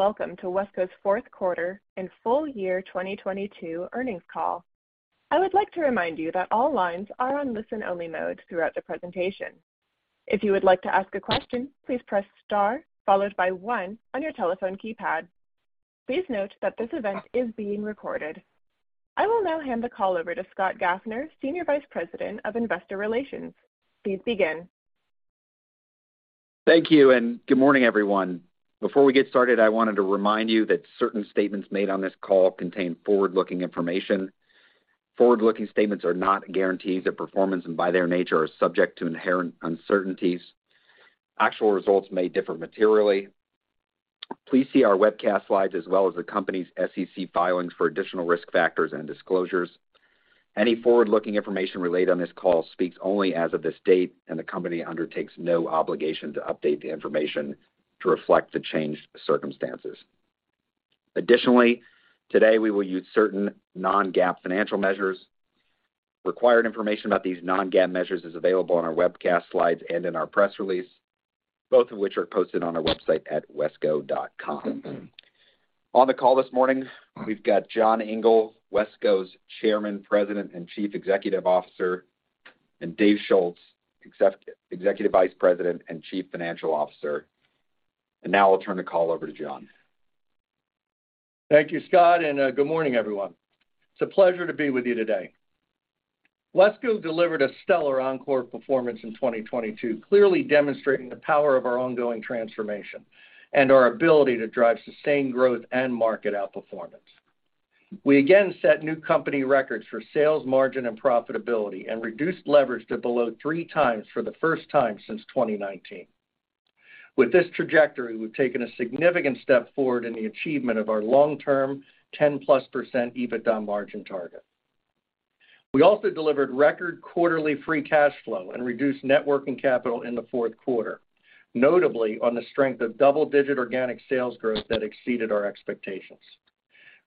Hello, and welcome to WESCO's Fourth Quarter and Full Year 2022 Earnings Call. I would like to remind you that all lines are on listen-only mode throughout the presentation. If you would like to ask a question, please press Star followed by one on your telephone keypad. Please note that this event is being recorded. I will now hand the call over to Scott Gaffner, Senior Vice President of Investor Relations. Please begin. Thank you. Good morning, everyone. Before we get started, I wanted to remind you that certain statements made on this call contain forward-looking information. Forward-looking statements are not guarantees of performance, and by their nature, are subject to inherent uncertainties. Actual results may differ materially. Please see our webcast slides as well as the company's SEC filings for additional risk factors and disclosures. Any forward-looking information relayed on this call speaks only as of this date, and the company undertakes no obligation to update the information to reflect the changed circumstances. Additionally, today, we will use certain non-GAAP financial measures. Required information about these non-GAAP measures is available on our webcast slides and in our press release, both of which are posted on our website at wesco.com. On the call this morning, we've got John Engel, WESCO's Chairman, President, and Chief Executive Officer, and Dave Schulz, Executive Vice President and Chief Financial Officer. Now I'll turn the call over to John. Thank you, Scott, and good morning, everyone. It's a pleasure to be with you today. WESCO delivered a stellar encore performance in 2022, clearly demonstrating the power of our ongoing transformation and our ability to drive sustained growth and market outperformance. We again set new company records for sales margin and profitability and reduced leverage to below 3x for the first time since 2019. With this trajectory, we've taken a significant step forward in the achievement of our long-term 10+% EBITDA margin target. We also delivered record quarterly free cash flow and reduced net working capital in the fourth quarter, notably on the strength of double-digit organic sales growth that exceeded our expectations.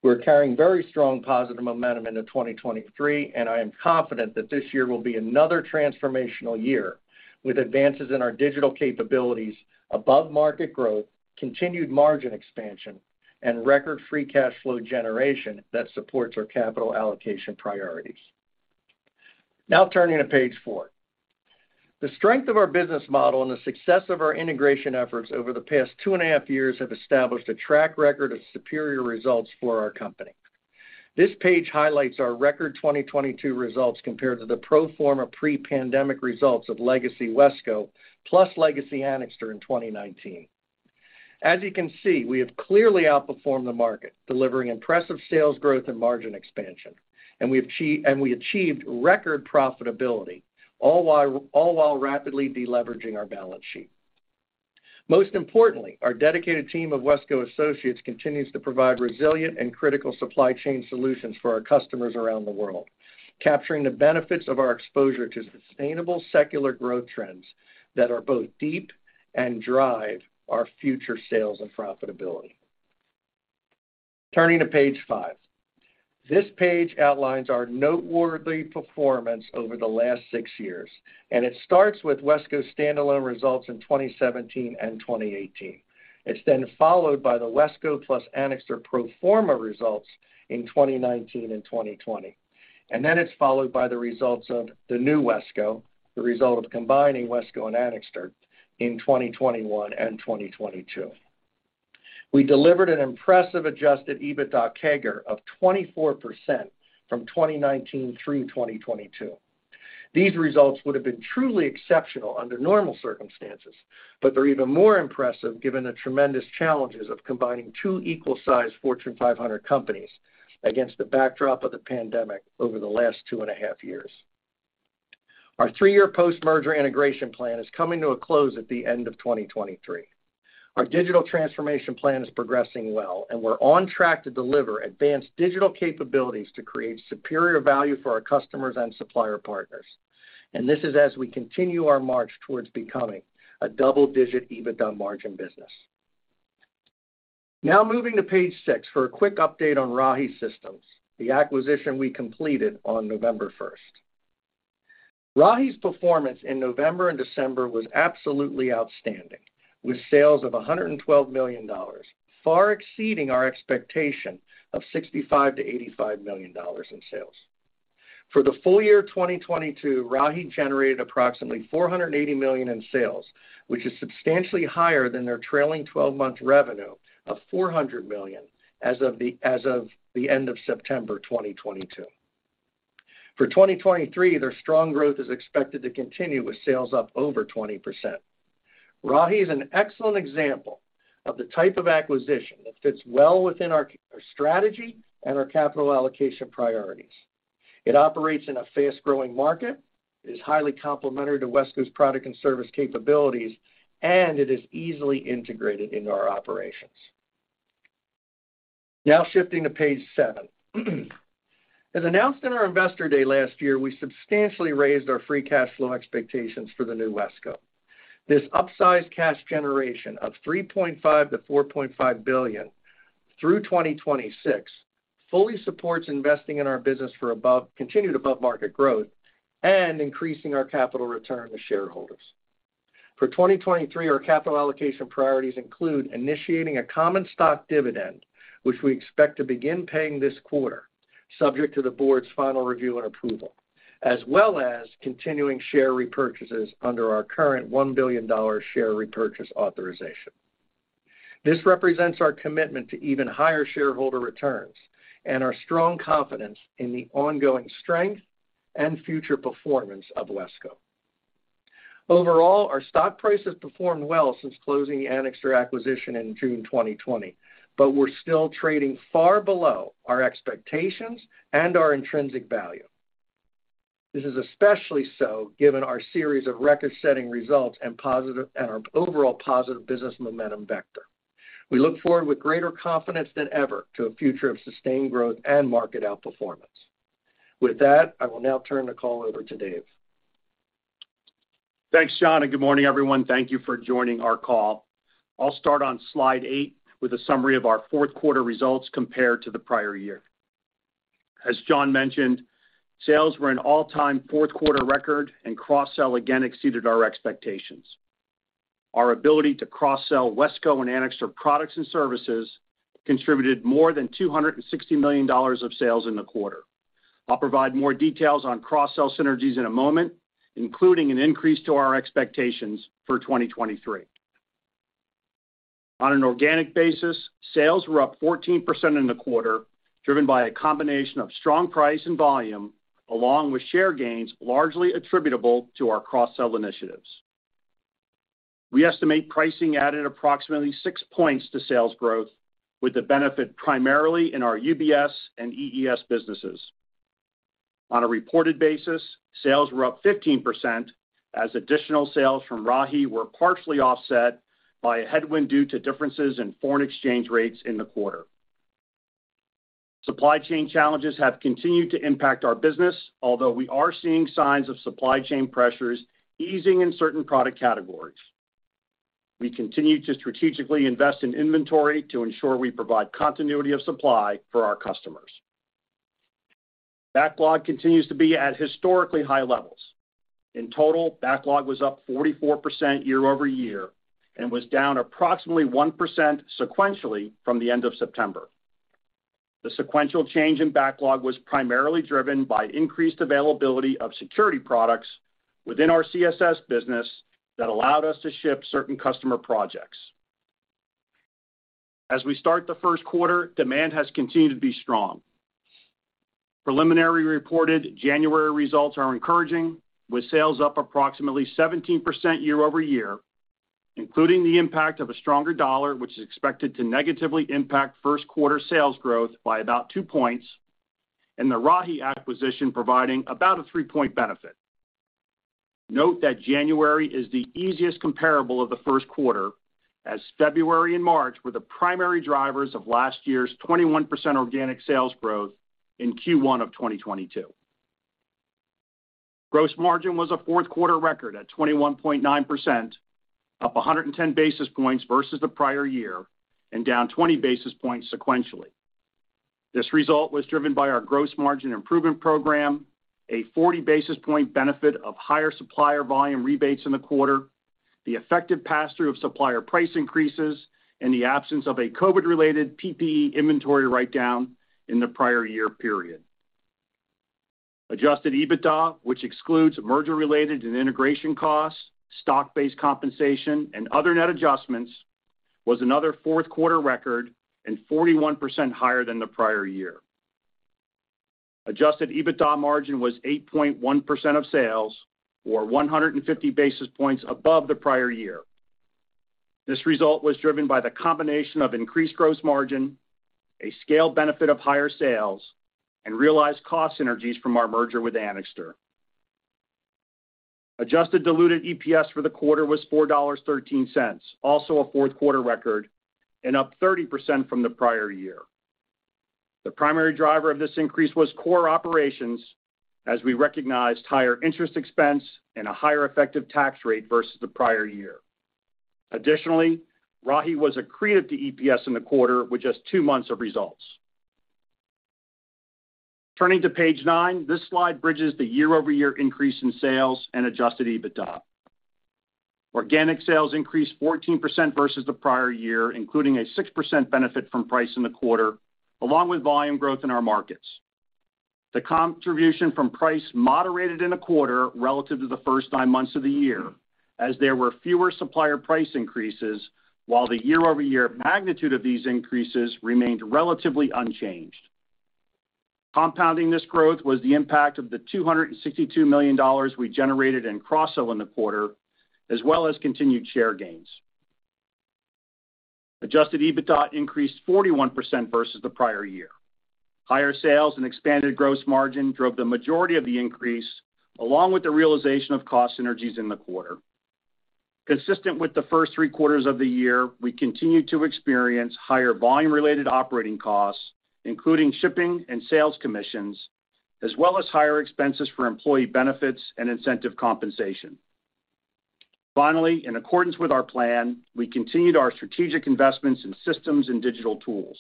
We're carrying very strong positive momentum into 2023. I am confident that this year will be another transformational year with advances in our digital capabilities above market growth, continued margin expansion, and record free cash flow generation that supports our capital allocation priorities. Now turning to page four. The strength of our business model and the success of our integration efforts over the past two and a half years have established a track record of superior results for our company. This page highlights our record 2022 results compared to the pro forma pre-pandemic results of Legacy WESCO plus Legacy Anixter in 2019. As you can see, we have clearly outperformed the market, delivering impressive sales growth and margin expansion, we achieved record profitability, all while rapidly de-leveraging our balance sheet. Most importantly, our dedicated team of WESCO associates continues to provide resilient and critical supply chain solutions for our customers around the world, capturing the benefits of our exposure to sustainable secular growth trends that are both deep and drive our future sales and profitability. Turning to page 5. This page outlines our noteworthy performance over the last six years, it starts with WESCO's standalone results in 2017 and 2018. Then it's followed by the WESCO plus Anixter pro forma results in 2019 and 2020. Then it's followed by the results of the new WESCO, the result of combining WESCO and Anixter in 2021 and 2022. We delivered an impressive adjusted EBITDA CAGR of 24% from 2019 through 2022. These results would have been truly exceptional under normal circumstances, but they're even more impressive given the tremendous challenges of combining two equal-sized Fortune 500 companies against the backdrop of the pandemic over the last 2.5 years. Our three-year post-merger integration plan is coming to a close at the end of 2023. Our digital transformation plan is progressing well. We're on track to deliver advanced digital capabilities to create superior value for our customers and supplier partners. This is as we continue our march towards becoming a double-digit EBITDA margin business. Moving to page six for a quick update on Rahi Systems, the acquisition we completed on November 1st. Rahi's performance in November and December was absolutely outstanding, with sales of $112 million, far exceeding our expectation of $65 million-85 million in sales. For the full year 2022, Rahi generated approximately $480 million in sales, which is substantially higher than their trailing twelve-month revenue of $400 million as of the end of September 2022. For 2023, their strong growth is expected to continue, with sales up over 20%. Rahi is an excellent example of the type of acquisition that fits well within our strategy and our capital allocation priorities. It operates in a fast-growing market, it is highly complementary to WESCO's product and service capabilities, and it is easily integrated into our operations. Shifting to page seven. As announced in our Investor Day last year, we substantially raised our free cash flow expectations for the new WESCO. This upsized cash generation of $3.5 billion-4.5 billion through 2026 fully supports investing in our business for continued above-market growth and increasing our capital return to shareholders. For 2023, our capital allocation priorities include initiating a common stock dividend, which we expect to begin paying this quarter, subject to the board's final review and approval, as well as continuing share repurchases under our current $1 billion share repurchase authorization. This represents our commitment to even higher shareholder returns and our strong confidence in the ongoing strength and future performance of WESCO. Overall, our stock price has performed well since closing the Anixter acquisition in June 2020, we're still trading far below our expectations and our intrinsic value. This is especially so given our series of record-setting results and our overall positive business momentum vector. We look forward with greater confidence than ever to a future of sustained growth and market outperformance. With that, I will now turn the call over to Dave. Thanks, John. Good morning, everyone. Thank you for joining our call. I'll start on slide eight with a summary of our fourth quarter results compared to the prior year. As John mentioned, sales were an all-time fourth quarter record, and cross-sell again exceeded our expectations. Our ability to cross-sell WESCO and Anixter products and services contributed more than $260 million of sales in the quarter. I'll provide more details on cross-sell synergies in a moment, including an increase to our expectations for 2023. On an organic basis, sales were up 14% in the quarter, driven by a combination of strong price and volume along with share gains largely attributable to our cross-sell initiatives. We estimate pricing added approximately six points to sales growth with the benefit primarily in our UBS and EES businesses. On a reported basis, sales were up 15% as additional sales from Rahi were partially offset by a headwind due to differences in foreign exchange rates in the quarter. Supply chain challenges have continued to impact our business although we are seeing signs of supply chain pressures easing in certain product categories. We continue to strategically invest in inventory to ensure we provide continuity of supply for our customers. Backlog continues to be at historically high levels. In total, backlog was up 44% year-over-year and was down approximately 1% sequentially from the end of September. The sequential change in backlog was primarily driven by increased availability of security products within our CSS business that allowed us to ship certain customer projects. As we start the first quarter, demand has continued to be strong. Preliminary reported January results are encouraging with sales up approximately 17% year-over-year, including the impact of a stronger dollar, which is expected to negatively impact first quarter sales growth by about two points and the Rahi acquisition providing about a three-point benefit. Note that January is the easiest comparable of the first quarter as February and March were the primary drivers of last year's 21% organic sales growth in Q1 of 2022. Gross margin was a fourth quarter record at 21.9%, up 110 basis points versus the prior year and down 20 basis points sequentially. This result was driven by our gross margin improvement program, a 40 basis point benefit of higher supplier volume rebates in the quarter, the effective pass-through of supplier price increases, and the absence of a COVID-related PPE inventory write-down in the prior year period. Adjusted EBITDA, which excludes merger-related and integration costs, stock-based compensation, and other net adjustments, was another fourth quarter record and 41% higher than the prior year. Adjusted EBITDA margin was 8.1% of sales or 150 basis points above the prior year. This result was driven by the combination of increased gross margin, a scale benefit of higher sales, and realized cost synergies from our merger with Anixter. Adjusted diluted EPS for the quarter was $4.13, also a fourth quarter record and up 30% from the prior year. The primary driver of this increase was core operations as we recognized higher interest expense and a higher effective tax rate versus the prior year. Rahi was accretive to EPS in the quarter with just two months of results. Turning to page nine, this slide bridges the year-over-year increase in sales and adjusted EBITDA. Organic sales increased 14% versus the prior year, including a 6% benefit from price in the quarter along with volume growth in our markets. The contribution from price moderated in the quarter relative to the first nine months of the year as there were fewer supplier price increases while the year-over-year magnitude of these increases remained relatively unchanged. Compounding this growth was the impact of the $262 million we generated in cross-sell in the quarter as well as continued share gains. Adjusted EBITDA increased 41% versus the prior year. Higher sales and expanded gross margin drove the majority of the increase along with the realization of cost synergies in the quarter. Consistent with the first three quarters of the year, we continued to experience higher volume-related operating costs, including shipping and sales commissions, as well as higher expenses for employee benefits and incentive compensation. In accordance with our plan, we continued our strategic investments in systems and digital tools.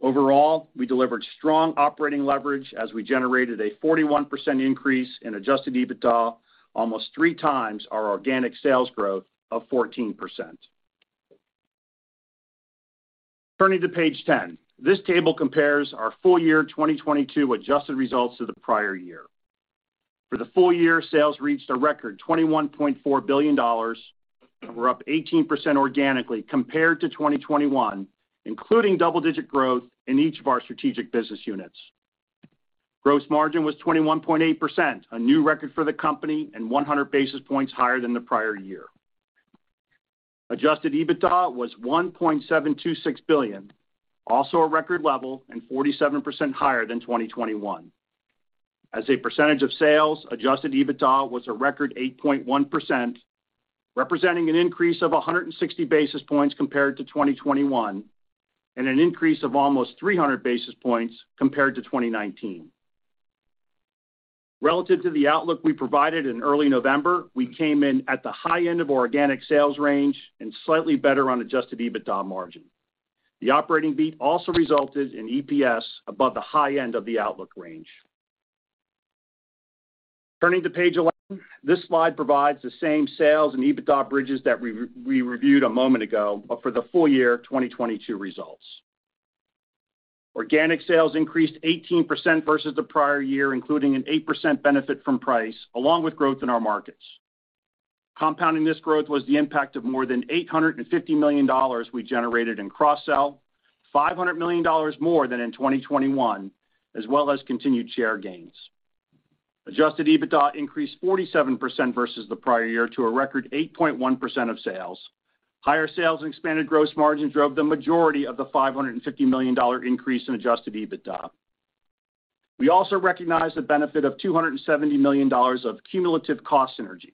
Overall, we delivered strong operating leverage as we generated a 41% increase in adjusted EBITDA, almost 3x our organic sales growth of 14%. Turning to page 10. This table compares our full year 2022 adjusted results to the prior year. For the full year, sales reached a record $21.4 billion and were up 18% organically compared to 2021, including double-digit growth in each of our strategic business units. Gross margin was 21.8%, a new record for the company and 100 basis points higher than the prior year. Adjusted EBITDA was $1.726 billion, also a record level and 47% higher than 2021. As a percentage of sales, Adjusted EBITDA was a record 8.1%, representing an increase of 160 basis points compared to 2021, and an increase of almost 300 basis points compared to 2019. Relative to the outlook we provided in early November, we came in at the high end of our organic sales range and slightly better on Adjusted EBITDA margin. The operating beat also resulted in EPS above the high end of the outlook range. Turning to page 11. This slide provides the same sales and EBITDA bridges that we reviewed a moment ago, but for the full year 2022 results. Organic sales increased 18% versus the prior year, including an 8% benefit from price along with growth in our markets. Compounding this growth was the impact of more than $850 million we generated in cross-sell, $500 million more than in 2021, as well as continued share gains. Adjusted EBITDA increased 47% versus the prior year to a record 8.1% of sales. Higher sales and expanded gross margins drove the majority of the $550 million increase in adjusted EBITDA. We also recognized the benefit of $270 million of cumulative cost synergies.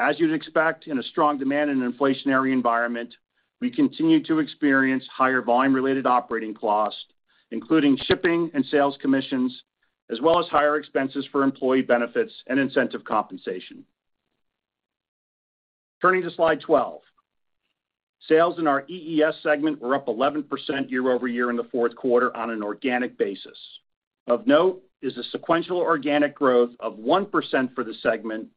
As you'd expect in a strong demand and inflationary environment, we continue to experience higher volume-related operating costs, including shipping and sales commissions, as well as higher expenses for employee benefits and incentive compensation. Turning to slide 12. Sales in our EES segment were up 11% year-over-year in the fourth quarter on an organic basis. Of note is the sequential organic growth of 1% for the segment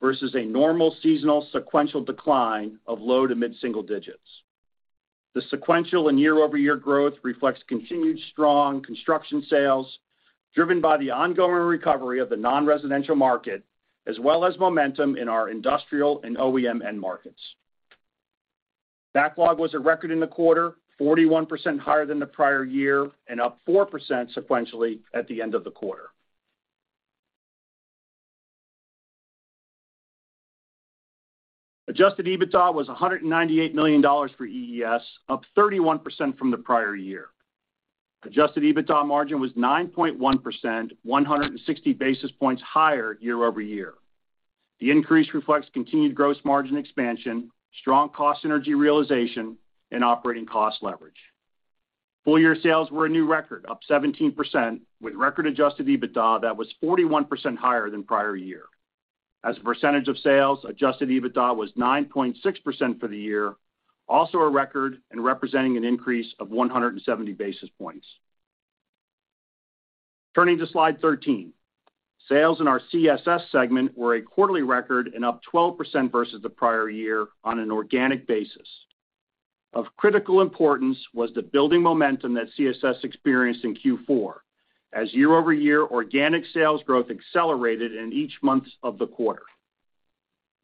versus a normal seasonal sequential decline of low to mid-single digits. The sequential and year-over-year growth reflects continued strong construction sales, driven by the ongoing recovery of the non-residential market, as well as momentum in our industrial and OEM end markets. Backlog was a record in the quarter, 41% higher than the prior year and up 4% sequentially at the end of the quarter. Adjusted EBITDA was $198 million for EES, up 31% from the prior year. Adjusted EBITDA margin was 9.1%, 160 basis points higher year-over-year. The increase reflects continued gross margin expansion, strong cost synergy realization, and operating cost leverage. Full year sales were a new record, up 17%, with record adjusted EBITDA that was 41% higher than prior year. As a percentage of sales, adjusted EBITDA was 9.6% for the year, also a record and representing an increase of 170 basis points. Turning to slide 13. Sales in our CSS segment were a quarterly record and up 12% versus the prior year on an organic basis. Of critical importance was the building momentum that CSS experienced in Q4 as year-over-year organic sales growth accelerated in each month of the quarter.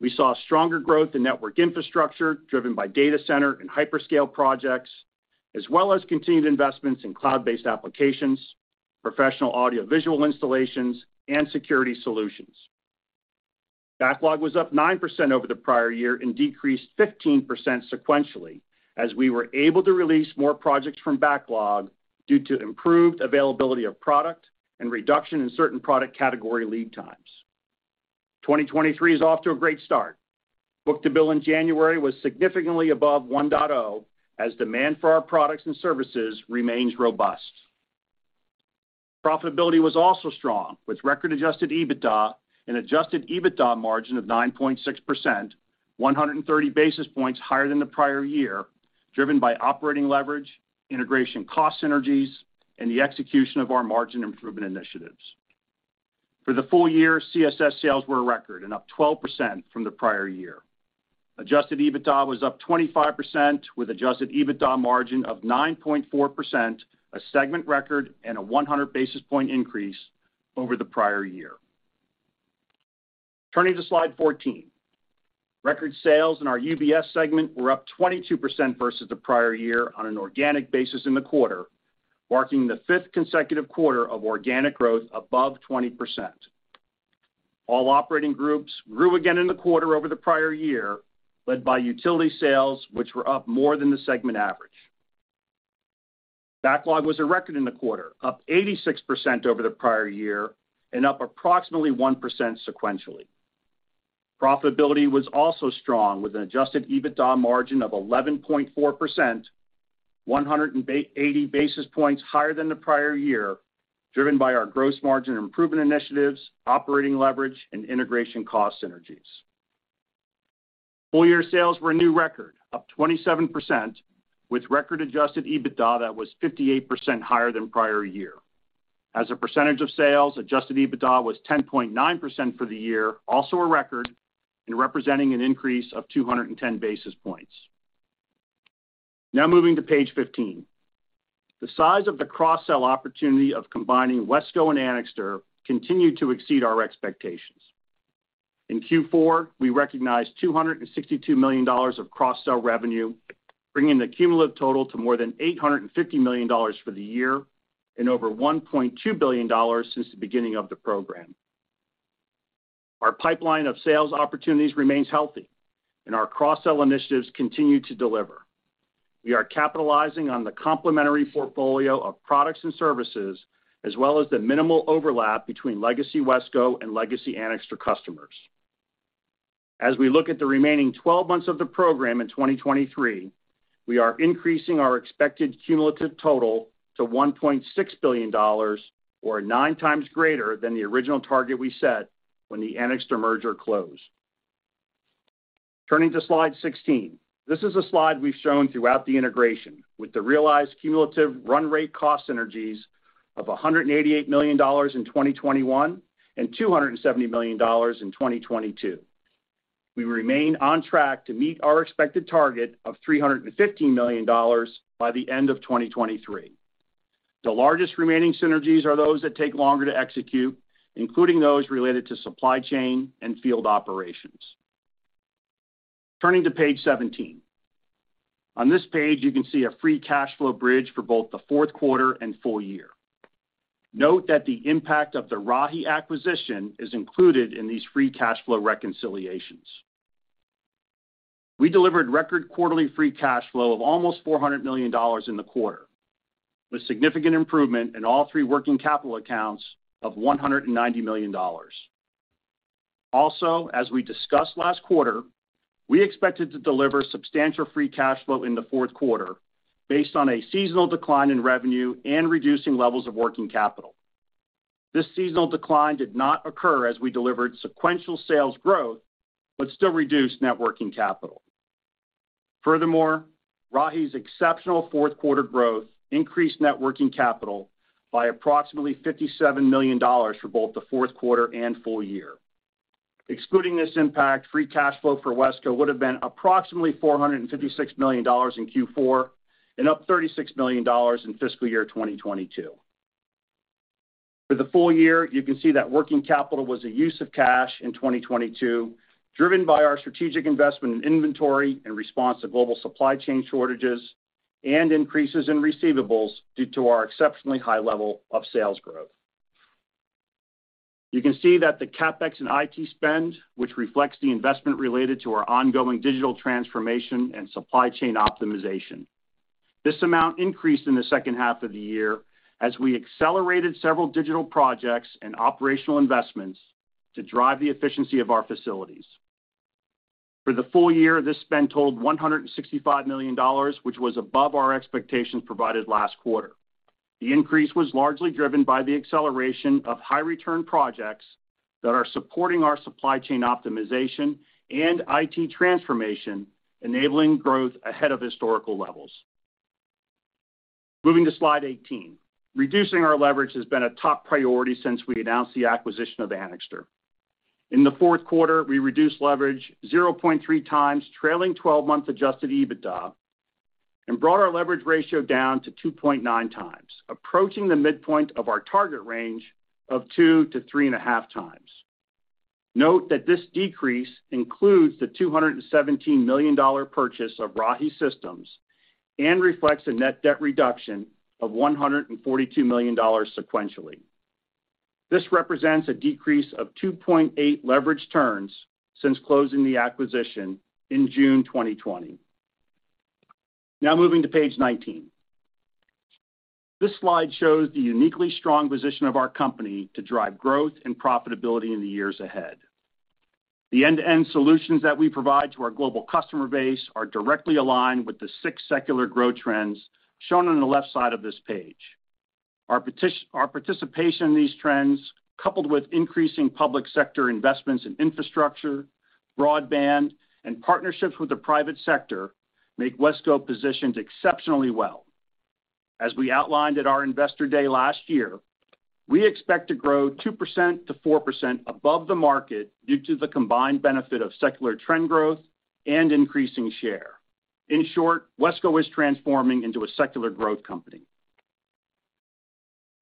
We saw stronger growth in network infrastructure driven by data center and hyperscale projects, as well as continued investments in cloud-based applications, professional audiovisual installations, and security solutions. Backlog was up 9% over the prior year and decreased 15% sequentially as we were able to release more projects from backlog due to improved availability of product and reduction in certain product category lead times. 2023 is off to a great start. Book-to-bill in January was significantly above 1.0 as demand for our products and services remains robust. Profitability was also strong with record adjusted EBITDA and adjusted EBITDA margin of 9.6%, 130 basis points higher than the prior year, driven by operating leverage, integration cost synergies, and the execution of our margin improvement initiatives. For the full year, CSS sales were a record and up 12% from the prior year. Adjusted EBITDA was up 25% with adjusted EBITDA margin of 9.4%, a segment record and a 100 basis point increase over the prior year. Turning to slide 14. Record sales in our UBS segment were up 22% versus the prior year on an organic basis in the quarter, marking the fifth consecutive quarter of organic growth above 20%. All operating groups grew again in the quarter over the prior year, led by utility sales, which were up more than the segment average. Backlog was a record in the quarter, up 86% over the prior year and up approximately 1% sequentially. Profitability was also strong with an adjusted EBITDA margin of 11.4%. 180 basis points higher than the prior year, driven by our gross margin improvement initiatives, operating leverage, and integration cost synergies. Full year sales were a new record, up 27%, with record adjusted EBITDA that was 58% higher than prior year. As a percentage of sales, adjusted EBITDA was 10.9% for the year, also a record, and representing an increase of 210 basis points. Now moving to page 15. The size of the cross-sell opportunity of combining WESCO and Anixter continued to exceed our expectations. In Q4, we recognized $262 million of cross-sell revenue, bringing the cumulative total to more than $850 million for the year and over $1.2 billion since the beginning of the program. Our pipeline of sales opportunities remains healthy and our cross-sell initiatives continue to deliver. We are capitalizing on the complementary portfolio of products and services, as well as the minimal overlap between legacy WESCO and legacy Anixter customers. As we look at the remaining 12 months of the program in 2023, we are increasing our expected cumulative total to $1.6 billion or 9x greater than the original target we set when the Anixter merger closed. Turning to slide 16. This is a slide we've shown throughout the integration with the realized cumulative run rate cost synergies of $188 million in 2021 and $270 million in 2022. We remain on track to meet our expected target of $315 million by the end of 2023. The largest remaining synergies are those that take longer to execute, including those related to supply chain and field operations. Turning to page 17. On this page, you can see a free cash flow bridge for both the fourth quarter and full year. Note that the impact of the Rahi acquisition is included in these free cash flow reconciliations. We delivered record quarterly free cash flow of almost $400 million in the quarter, with significant improvement in all three working capital accounts of $190 million. As we discussed last quarter, we expected to deliver substantial free cash flow in the fourth quarter based on a seasonal decline in revenue and reducing levels of working capital. This seasonal decline did not occur as we delivered sequential sales growth, but still reduced net working capital. Rahi's exceptional fourth quarter growth increased net working capital by approximately $57 million for both the fourth quarter and full year. Excluding this impact, free cash flow for WESCO would have been approximately $456 million in Q4 and up $36 million in fiscal year 2022. For the full year, you can see that working capital was a use of cash in 2022, driven by our strategic investment in inventory in response to global supply chain shortages and increases in receivables due to our exceptionally high level of sales growth. You can see that the CapEx and IT spend, which reflects the investment related to our ongoing digital transformation and supply chain optimization. This amount increased in the second half of the year as we accelerated several digital projects and operational investments to drive the efficiency of our facilities. For the full year, this spend totaled $165 million, which was above our expectations provided last quarter. The increase was largely driven by the acceleration of high return projects that are supporting our supply chain optimization and IT transformation, enabling growth ahead of historical levels. Moving to slide 18. Reducing our leverage has been a top priority since we announced the acquisition of Anixter. In the fourth quarter, we reduced leverage 0.3x trailing 12 months adjusted EBITDA and brought our leverage ratio down to 2.9x, approaching the midpoint of our target range of 2x to 3.5x. Note that this decrease includes the $217 million purchase of Rahi Systems and reflects a net debt reduction of $142 million sequentially. This represents a decrease of 2.8 leverage turns since closing the acquisition in June 2020. Moving to page 19. This slide shows the uniquely strong position of our company to drive growth and profitability in the years ahead. The end-to-end solutions that we provide to our global customer base are directly aligned with the six secular growth trends shown on the left side of this page. Our participation in these trends, coupled with increasing public sector investments in infrastructure, broadband, and partnerships with the private sector, make WESCO positioned exceptionally well. As we outlined at our Investor Day last year, we expect to grow 2%-4% above the market due to the combined benefit of secular trend growth and increasing share. In short, WESCO is transforming into a secular growth company.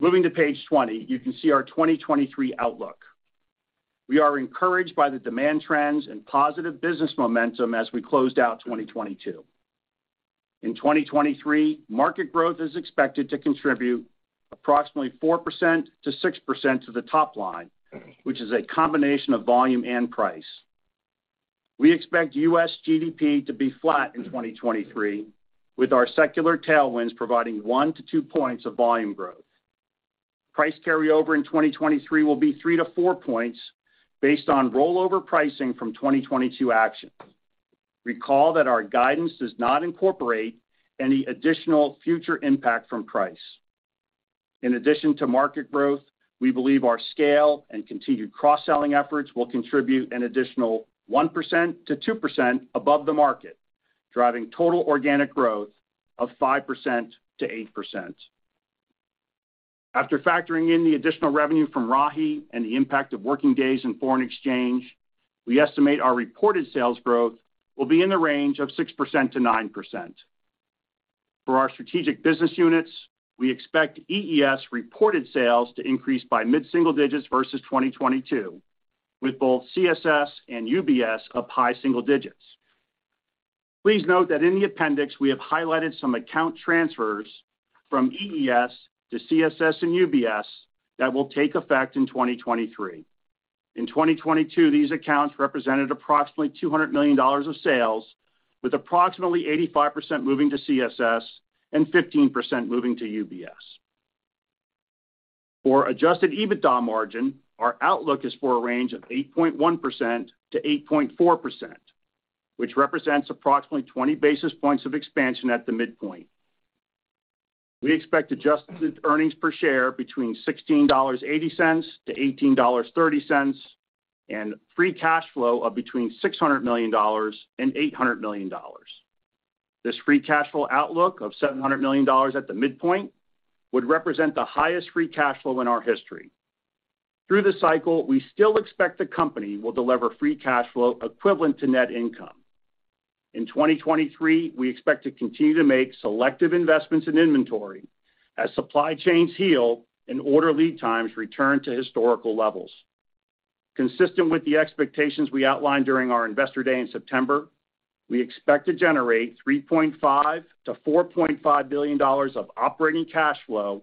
Moving to page 20, you can see our 2023 outlook. We are encouraged by the demand trends and positive business momentum as we closed out 2022. In 2023, market growth is expected to contribute approximately 4%-6% to the top line, which is a combination of volume and price. We expect US GDP to be flat in 2023, with our secular tailwinds providing one to two points of volume growth. Price carryover in 2023 will be 3-4 points based on rollover pricing from 2022 actions. Recall that our guidance does not incorporate any additional future impact from price. In addition to market growth, we believe our scale and continued cross-selling efforts will contribute an additional 1%-2% above the market, driving total organic growth of 5%-8%. After factoring in the additional revenue from Rahi and the impact of working days and foreign exchange, we estimate our reported sales growth will be in the range of 6%-9%. For our strategic business units, we expect EES reported sales to increase by mid-single digits versus 2022, with both CSS and UBS up high single digits. Please note that in the appendix, we have highlighted some account transfers from EES to CSS and UBS that will take effect in 2023. In 2022, these accounts represented approximately $200 million of sales, with approximately 85% moving to CSS and 15% moving to UBS. For adjusted EBITDA margin, our outlook is for a range of 8.1%-8.4%, which represents approximately 20 basis points of expansion at the midpoint. We expect adjusted earnings per share between $16.80-18.30, and free cash flow of between $600 million and 800 million. This free cash flow outlook of $700 million at the midpoint would represent the highest free cash flow in our history. Through the cycle, we still expect the company will deliver free cash flow equivalent to net income. In 2023, we expect to continue to make selective investments in inventory as supply chains heal and order lead times return to historical levels. Consistent with the expectations we outlined during our Investor Day in September, we expect to generate $3.5 billion-4.5 billion of operating cash flow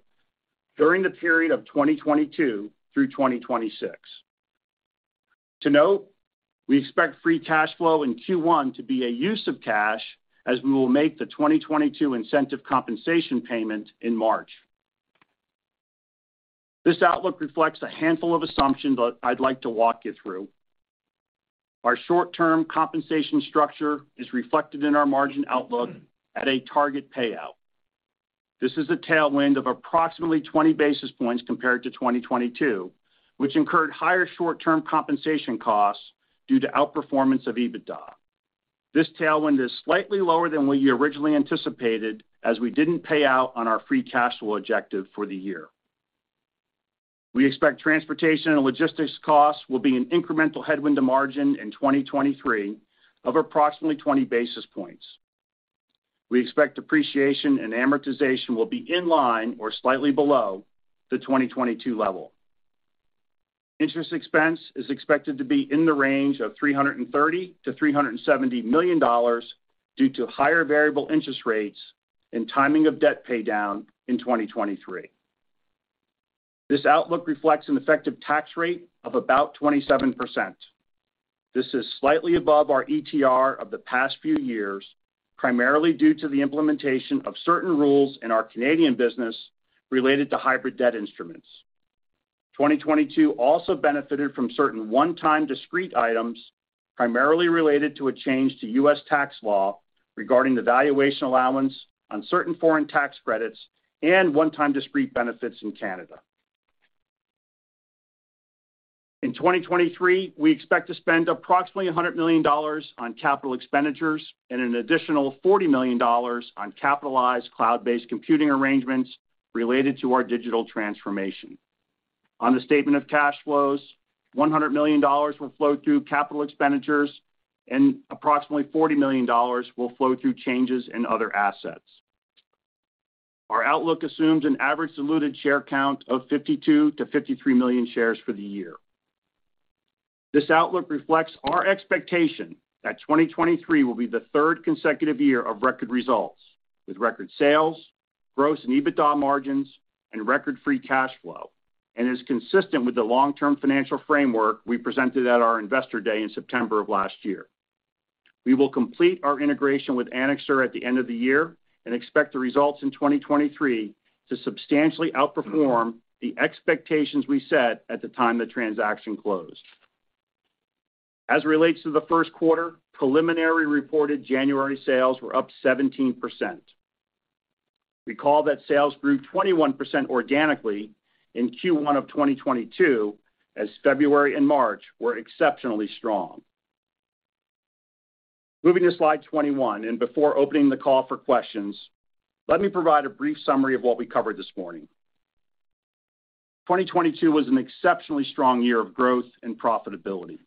during the period of 2022 through 2026. To note, we expect free cash flow in Q1 to be a use of cash as we will make the 2022 incentive compensation payment in March. This outlook reflects a handful of assumptions that I'd like to walk you through. Our short-term compensation structure is reflected in our margin outlook at a target payout. This is a tailwind of approximately 20 basis points compared to 2022, which incurred higher short-term compensation costs due to outperformance of EBITDA. This tailwind is slightly lower than what we originally anticipated as we didn't pay out on our free cash flow objective for the year. We expect transportation and logistics costs will be an incremental headwind to margin in 2023 of approximately 20 basis points. We expect depreciation and amortization will be in line or slightly below the 2022 level. Interest expense is expected to be in the range of $330 million-370 million due to higher variable interest rates and timing of debt paydown in 2023. This outlook reflects an effective tax rate of about 27%. This is slightly above our ETR of the past few years, primarily due to the implementation of certain rules in our Canadian business related to hybrid debt instruments. 2022 also benefited from certain one-time discrete items, primarily related to a change to U.S. tax law regarding the valuation allowance on certain foreign tax credits and one-time discrete benefits in Canada. In 2023, we expect to spend approximately $100 million on capital expenditures and an additional $40 million on capitalized cloud-based computing arrangements related to our digital transformation. On the statement of cash flows, $100 million will flow through capital expenditures and approximately $40 million will flow through changes in other assets. Our outlook assumes an average diluted share count of 52 million-53 million shares for the year. This outlook reflects our expectation that 2023 will be the third consecutive year of record results, with record sales, gross and EBITDA margins, and record free cash flow, and is consistent with the long-term financial framework we presented at our Investor Day in September of last year. We will complete our integration with Anixter at the end of the year and expect the results in 2023 to substantially outperform the expectations we set at the time the transaction closed. As it relates to the first quarter, preliminary reported January sales were up 17%. Recall that sales grew 21% organically in Q1 of 2022, as February and March were exceptionally strong. Moving to slide 21, and before opening the call for questions, let me provide a brief summary of what we covered this morning. 2022 was an exceptionally strong year of growth and profitability.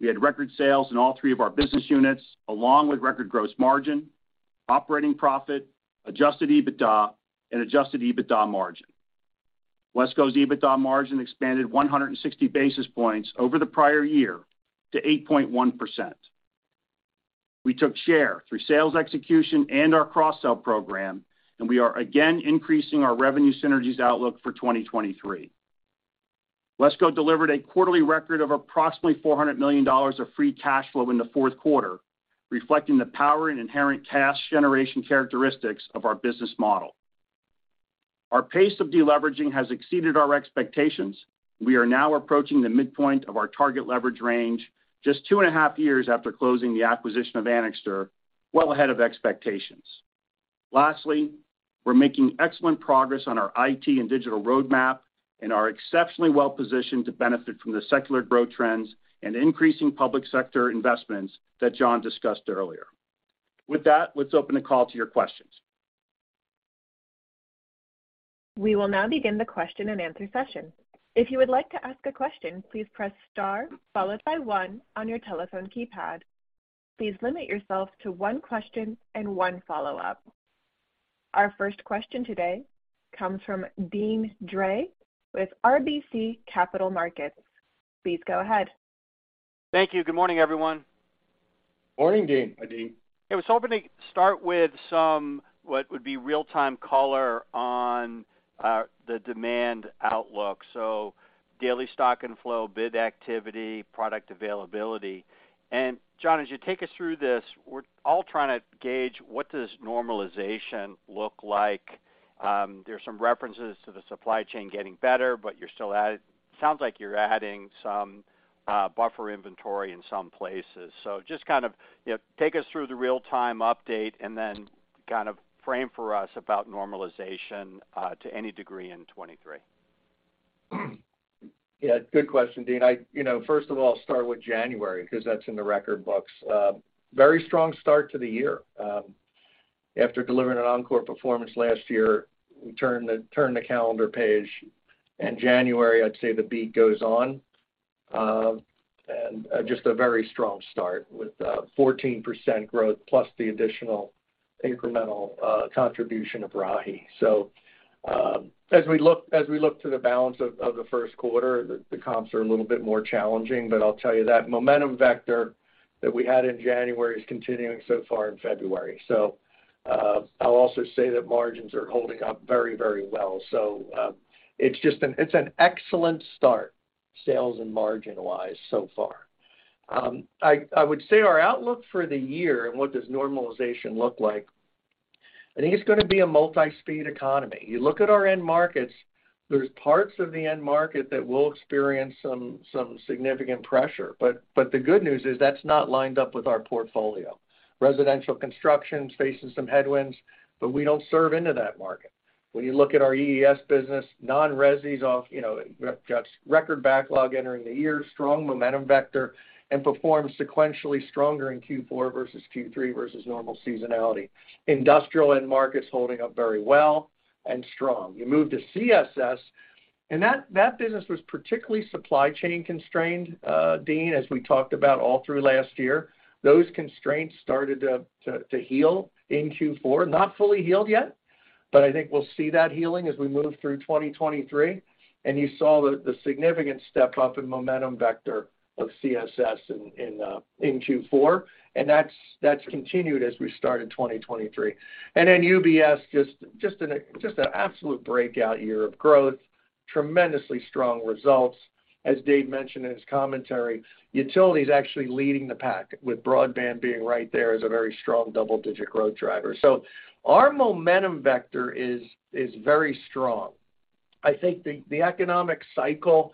We had record sales in all three of our business units, along with record gross margin, operating profit, adjusted EBITDA, and adjusted EBITDA margin. WESCO's EBITDA margin expanded 160 basis points over the prior year to 8.1%. We took share through sales execution and our cross-sell program. We are again increasing our revenue synergies outlook for 2023. WESCO delivered a quarterly record of approximately $400 million of free cash flow in the fourth quarter, reflecting the power and inherent cash generation characteristics of our business model. Our pace of deleveraging has exceeded our expectations. We are now approaching the midpoint of our target leverage range just two and a half years after closing the acquisition of Anixter, well ahead of expectations. Lastly, we're making excellent progress on our IT and digital roadmap and are exceptionally well positioned to benefit from the secular growth trends and increasing public sector investments that John discussed earlier. With that, let's open the call to your questions. We will now begin the question-and-answer session. If you would like to ask a question, please press star followed by one on your telephone keypad. Please limit yourself to one question and one follow-up. Our first question today comes from Deane Dray with RBC Capital Markets. Please go ahead. Thank you. Good morning, everyone. Morning, Deane. Hi, Deane. I was hoping to start with some what would be real-time color on the demand outlook. Daily stock and flow, bid activity, product availability. John Engel, as you take us through this, we're all trying to gauge what does normalization look like? There's some references to the supply chain getting better, but you're still sounds like you're adding some buffer inventory in some places. Just kind of, you know, take us through the real-time update and then kind of frame for us about normalization to any degree in 2023? Yeah, good question, Deane. You know, first of all, start with January because that's in the record books. Very strong start to the year. After delivering an encore performance last year, we turned the calendar page. In January, I'd say the beat goes on. Just a very strong start with 14% growth plus the additional incremental contribution of Rahi. As we look to the balance of the first quarter, the comps are a little bit more challenging. I'll tell you that momentum vector that we had in January is continuing so far in February. I'll also say that margins are holding up very, very well. It's just an excellent start, sales and margin-wise so far. I would say our outlook for the year and what does normalization look like, I think it's gonna be a multi-speed economy. You look at our end markets, there's parts of the end market that will experience some significant pressure. The good news is that's not lined up with our portfolio. Residential construction is facing some headwinds, but we don't serve into that market. When you look at our EES business, non-resis off, you know, got record backlog entering the year, strong momentum vector, and performed sequentially stronger in Q4 versus Q3 versus normal seasonality. Industrial end market's holding up very well and strong. You move to CSS, that business was particularly supply chain constrained, Deane, as we talked about all through last year. Those constraints started to heal in Q4. Not fully healed yet, but I think we'll see that healing as we move through 2023. You saw the significant step-up in momentum vector of CSS in Q4, that's continued as we started 2023. UBS, just an absolute breakout year of growth. Tremendously strong results. As Dave mentioned in his commentary, utility is actually leading the pack, with broadband being right there as a very strong double-digit growth driver. Our momentum vector is very strong. I think the economic cycle,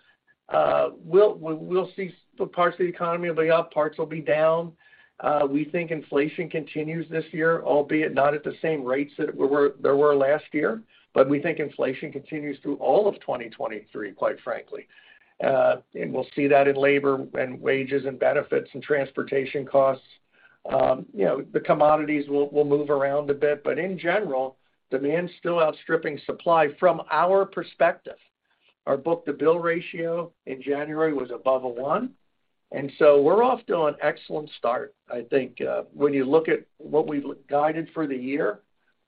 we'll see parts of the economy will be up, parts will be down. We think inflation continues this year, albeit not at the same rates that there were last year. We think inflation continues through all of 2023, quite frankly. We'll see that in labor and wages and benefits and transportation costs. You know, the commodities will move around a bit. In general, demand's still outstripping supply from our perspective. Our book-to-bill ratio in January was above one. We're off to an excellent start. I think, when you look at what we've guided for the year,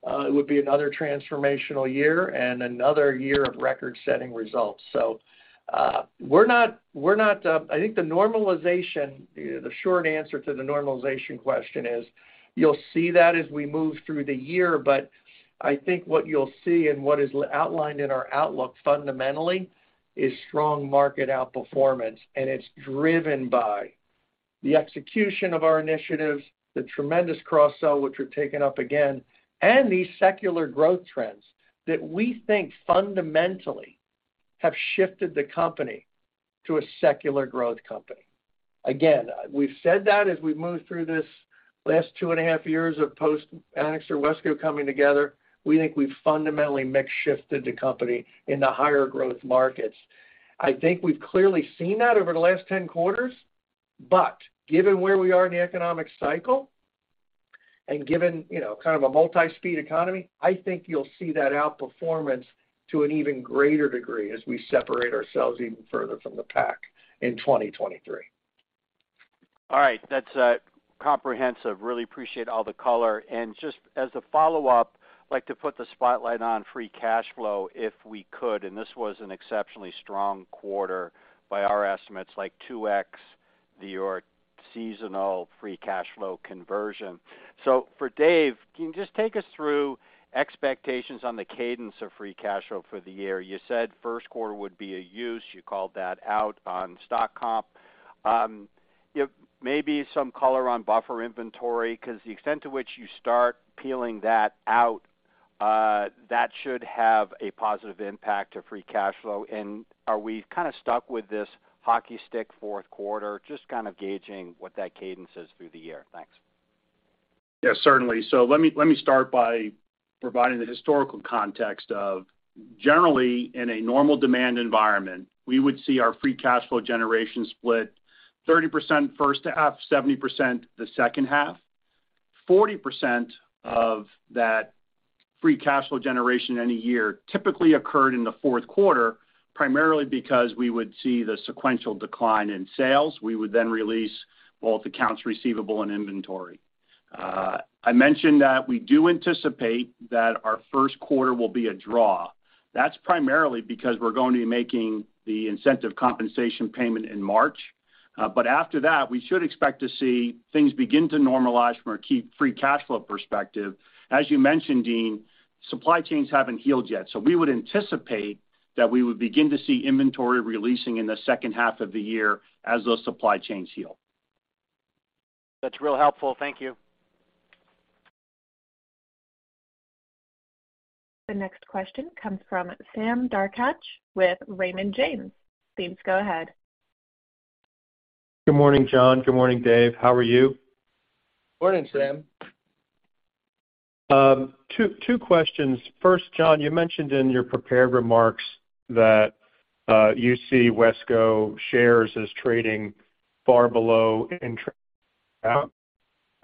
it would be another transformational year and another year of record-setting results. We're not... I think the normalization, the short answer to the normalization question is, you'll see that as we move through the year. I think what you'll see and what is outlined in our outlook fundamentally is strong market outperformance, and it's driven by the execution of our initiatives, the tremendous cross-sell, which we've taken up again, and these secular growth trends that we think fundamentally have shifted the company to a secular growth company. Again, we've said that as we've moved through this last two and a half years of post Anixter-WESCO coming together. We think we've fundamentally mix shifted the company into higher growth markets. I think we've clearly seen that over the last 10 quarters. Given where we are in the economic cycle and given, you know, kind of a multi-speed economy, I think you'll see that outperformance to an even greater degree as we separate ourselves even further from the pack in 2023. All right. That's comprehensive. Really appreciate all the color. Just as a follow-up, like to put the spotlight on free cash flow, if we could, and this was an exceptionally strong quarter by our estimates, like 2x your seasonal free cash flow conversion. For Dave, can you just take us through expectations on the cadence of free cash flow for the year? You said first quarter would be a use. You called that out on stock comp. If maybe some color on buffer inventory, 'cause the extent to which you start peeling that out, that should have a positive impact to free cash flow. Are we kinda stuck with this hockey stick fourth quarter? Just kind of gauging what that cadence is through the year. Thanks. Yes, certainly. Let me start by providing the historical context of generally, in a normal demand environment, we would see our free cash flow generation split 30% first half, 70% the second half. 40% of that free cash flow generation in a year typically occurred in the fourth quarter, primarily because we would see the sequential decline in sales. We would then release both accounts receivable and inventory. I mentioned that we do anticipate that our first quarter will be a draw. That's primarily because we're going to be making the incentive compensation payment in March. After that, we should expect to see things begin to normalize from a key free cash flow perspective. As you mentioned, Deane, supply chains haven't healed yet, so we would anticipate that we would begin to see inventory releasing in the second half of the year as those supply chains heal. That's real helpful. Thank you. The next question comes from Sam Darkatsh with Raymond James. Please go ahead. Good morning, John. Good morning, Dave. How are you? Morning, Sam. Two questions. First, John, you mentioned in your prepared remarks that you see WESCO shares as trading far below intrinsic value.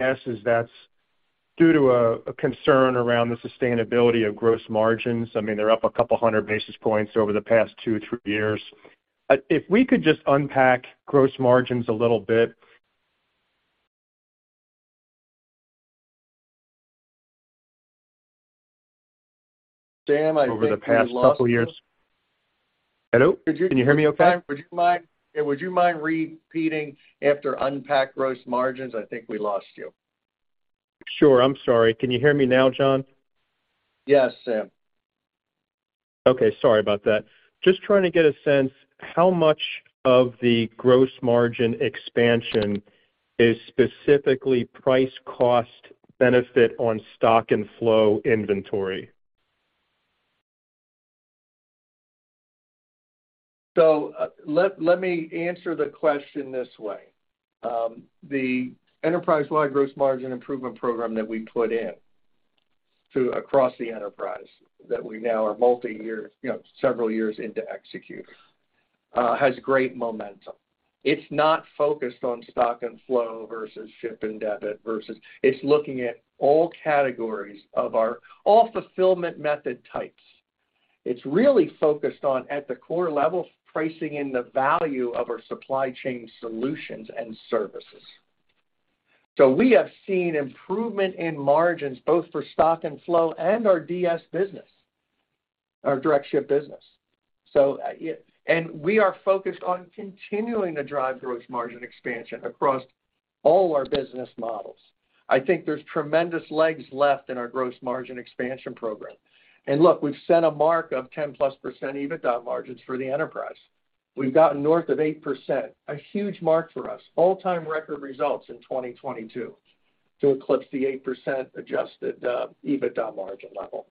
Guess is that's due to a concern around the sustainability of gross margins. I mean, they're up a couple hundred basis points over the past two, three years. If we could just unpack gross margins a little bit? Sam, I think we lost you. Over the past couple years. Hello? Can you hear me okay? Sam, would you mind repeating after unpack gross margins? I think we lost you. Sure. I'm sorry. Can you hear me now, John? Yes, Sam. Okay. Sorry about that. Just trying to get a sense how much of the gross margin expansion is specifically price cost benefit on stock and flow inventory. Let, let me answer the question this way. The enterprise-wide gross margin improvement program that we put in to across the enterprise, that we now are multi-year, you know, several years into executing, has great momentum. It's not focused on stock and flow versus ship and debit versus. It's looking at all categories of our. All fulfillment method types. It's really focused on, at the core level, pricing in the value of our supply chain solutions and services. We have seen improvement in margins both for stock and flow and our DS business, our direct ship business. We are focused on continuing to drive gross margin expansion across all our business models. I think there's tremendous legs left in our gross margin expansion program. Look, we've set a mark of 10+% EBITDA margins for the enterprise. We've gotten north of 8%, a huge mark for us. All-time record results in 2022 to eclipse the 8% adjusted EBITDA margin level.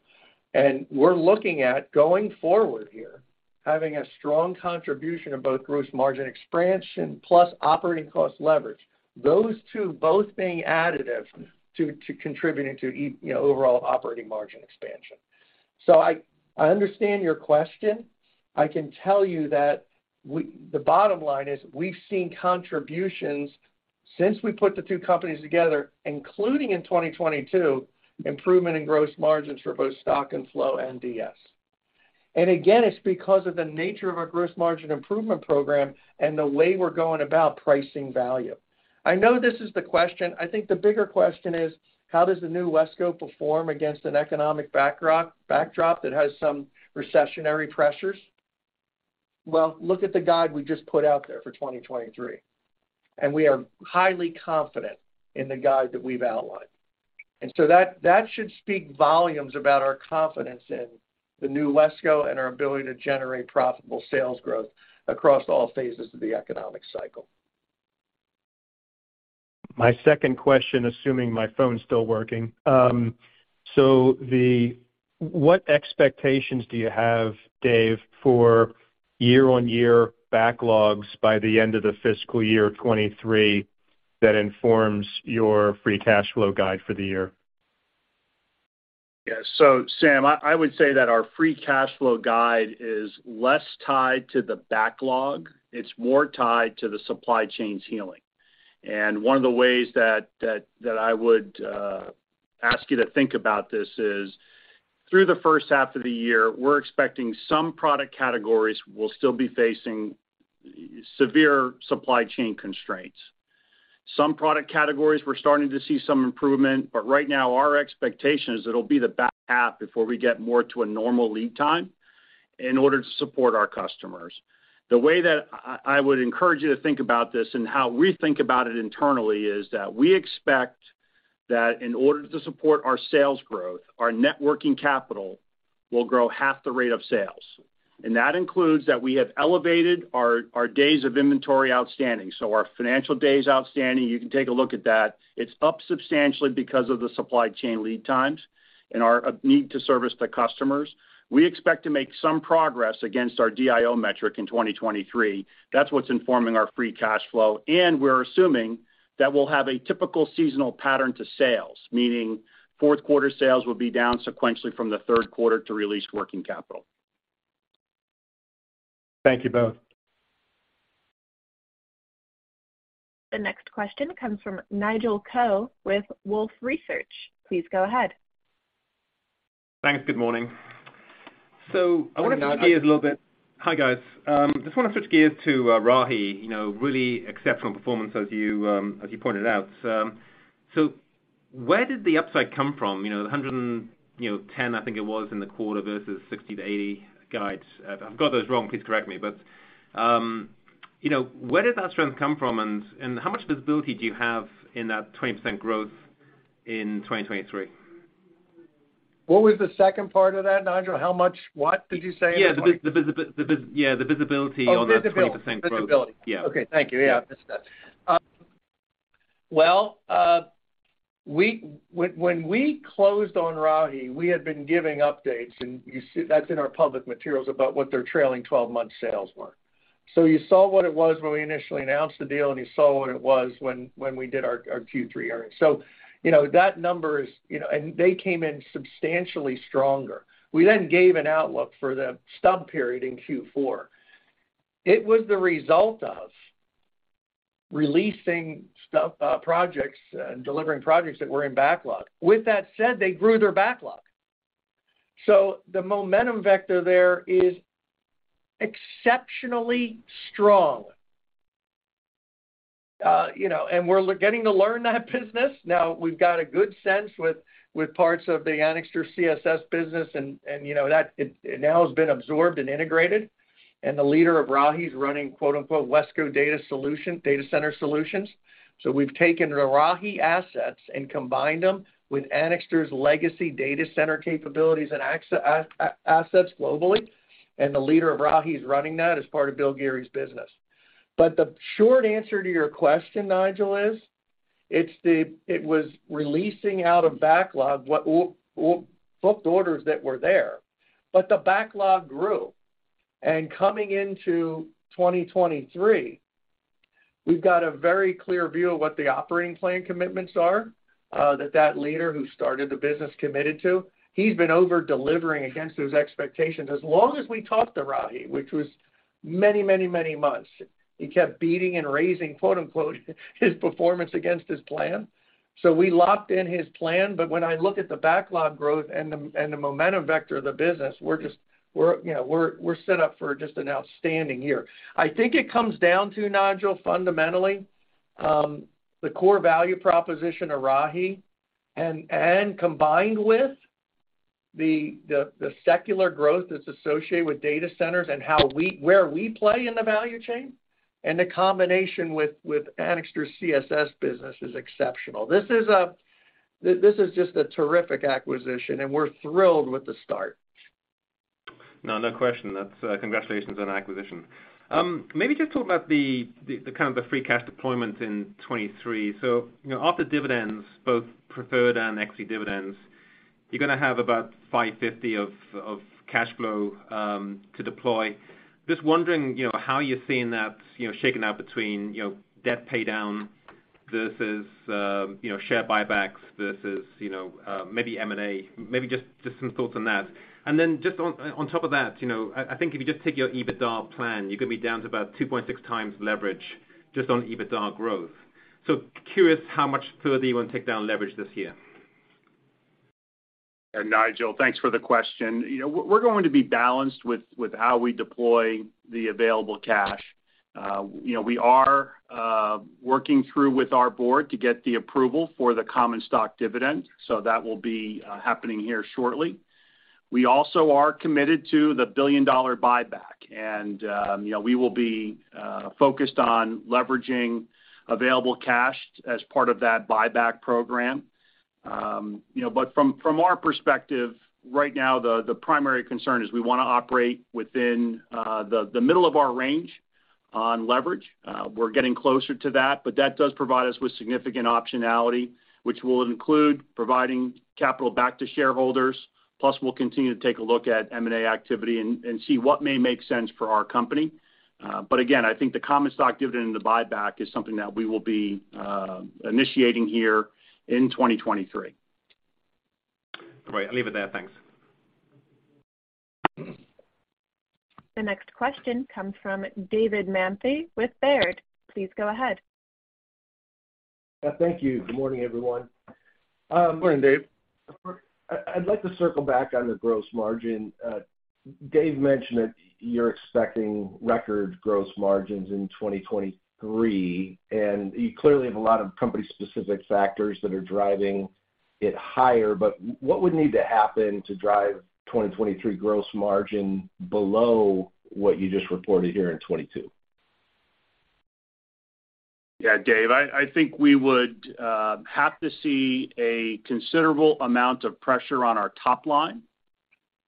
We're looking at going forward here, having a strong contribution of both gross margin expansion plus operating cost leverage. Those two both being additive to you know, overall operating margin expansion. I understand your question. I can tell you that the bottom line is we've seen contributions since we put the two companies together, including in 2022, improvement in gross margins for both stock and flow and DS. Again, it's because of the nature of our gross margin improvement program and the way we're going about pricing value. I know this is the question. I think the bigger question is: How does the new WESCO perform against an economic backdrop that has some recessionary pressures? Well, look at the guide we just put out there for 2023, and we are highly confident in the guide that we've outlined. That should speak volumes about our confidence in the new WESCO and our ability to generate profitable sales growth across all phases of the economic cycle. My second question, assuming my phone's still working. What expectations do you have, Dave, for year-on-year backlogs by the end of the fiscal year 2023 that informs your free cash flow guide for the year? Yeah. Sam, I would say that our free cash flow guide is less tied to the backlog, it's more tied to the supply chains healing. One of the ways that I would ask you to think about this is, through the first half of the year, we're expecting some product categories will still be facing severe supply chain constraints. Some product categories, we're starting to see some improvement, but right now our expectation is it'll be the back half before we get more to a normal lead time in order to support our customers. The way that I would encourage you to think about this and how we think about it internally is that we expect that in order to support our sales growth, our networking capital will grow half the rate of sales. That includes that we have elevated our days of inventory outstanding. Our financial days outstanding, you can take a look at that. It's up substantially because of the supply chain lead times and our need to service the customers. We expect to make some progress against our DIO metric in 2023. That's what's informing our free cash flow, and we're assuming that we'll have a typical seasonal pattern to sales, meaning fourth quarter sales will be down sequentially from the third quarter to release working capital. Thank you both. The next question comes from Nigel Coe with Wolfe Research. Please go ahead. Thanks. Good morning. I wanna switch gears a little bit. Hi, Nigel. Hi, guys. Just wanna switch gears to Rahi. You know, really exceptional performance as you pointed out. Where did the upside come from? You know, $110, I think it was in the quarter versus $60-80 guide. If I've got those wrong, please correct me. You know, where did that strength come from, and how much visibility do you have in that 20% growth in 2023? What was the second part of that, Nigel? How much what did you say? Yeah, yeah, the visibility on that. Oh, the visibility. 20% growth. Visibility. Yeah. Okay. Thank you. Yeah. I missed that. When we closed on Rahi, we had been giving updates, you see that's in our public materials about what their trailing 12 month sales were. You saw what it was when we initially announced the deal, and you saw what it was when we did our Q3 earnings. You know, that number is, you know, they came in substantially stronger. We gave an outlook for the stub period in Q4. It was the result of releasing stuff, projects and delivering projects that were in backlog. With that said, they grew their backlog. The momentum vector there is exceptionally strong. You know, we're getting to learn that business. Now we've got a good sense with parts of the Anixter CSS business and you know that it now has been absorbed and integrated. The leader of Rahi is running WESCO Data Center Solutions. We've taken the Rahi assets and combined them with Anixter's legacy data center capabilities and assets globally, and the leader of Rahi is running that as part of Bill Geary's business. The short answer to your question, Nigel, is, it was releasing out of backlog what booked orders that were there, but the backlog grew. Coming into 2023, we've got a very clear view of what the operating plan commitments are that leader who started the business committed to. He's been over-delivering against those expectations. As long as we talked to Rahi, which was many months, he kept beating and raising, quote, unquote, "his performance against his plan." We locked in his plan, but when I look at the backlog growth and the momentum vector of the business, we're just, you know, we're set up for just an outstanding year. I think it comes down to, Nigel, fundamentally, the core value proposition of Rahi and combined with the secular growth that's associated with data centers and where we play in the value chain and the combination with Anixter's CSS business is exceptional. This is just a terrific acquisition, and we're thrilled with the start. No, no question. That's congratulations on acquisition. Maybe just talk about the kind of the free cash deployment in 2023? Off the dividends, both preferred and XD dividends, you're gonna have about $550 of cash flow to deploy. Just wondering, you know, how you're seeing that, you know, shaken out between, you know, debt paydown versus, you know, share buybacks versus, you know, maybe M&A, just some thoughts on that? Then just on top of that, you know, I think if you just take your EBITDA plan, you could be down to about 2.6x leverage just on EBITDA growth. Curious how much further you wanna take down leverage this year? Nigel, thanks for the question. You know, we're going to be balanced with how we deploy the available cash. You know, we are working through with our board to get the approval for the common stock dividend, so that will be happening here shortly. We also are committed to the billion-dollar buyback and, you know, we will be focused on leveraging available cash as part of that buyback program. You know, from our perspective right now, the primary concern is we wanna operate within the middle of our range on leverage. We're getting closer to that does provide us with significant optionality, which will include providing capital back to shareholders, plus we'll continue to take a look at M&A activity and see what may make sense for our company. Again, I think the common stock dividend and the buyback is something that we will be initiating here in 2023. Great. I'll leave it there. Thanks. The next question comes from David Manthey with Baird. Please go ahead. Thank you. Good morning, everyone. Good morning, Dave. I'd like to circle back on the gross margin. Dave mentioned that you're expecting record gross margins in 2023, and you clearly have a lot of company specific factors that are driving it higher. What would need to happen to drive 2023 gross margin below what you just reported here in 2022? Yeah, Dave, I think we would have to see a considerable amount of pressure on our top line.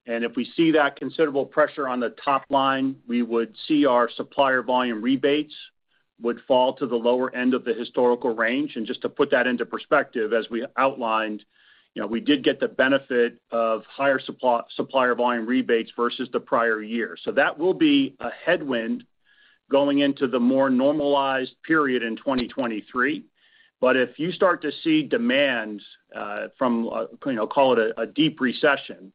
If we see that considerable pressure on the top line, we would see our supplier volume rebates would fall to the lower end of the historical range. Just to put that into perspective, as we outlined, you know, we did get the benefit of higher supplier volume rebates versus the prior year. That will be a headwind going into the more normalized period in 2023. If you start to see demand from, you know, call it a deep recession,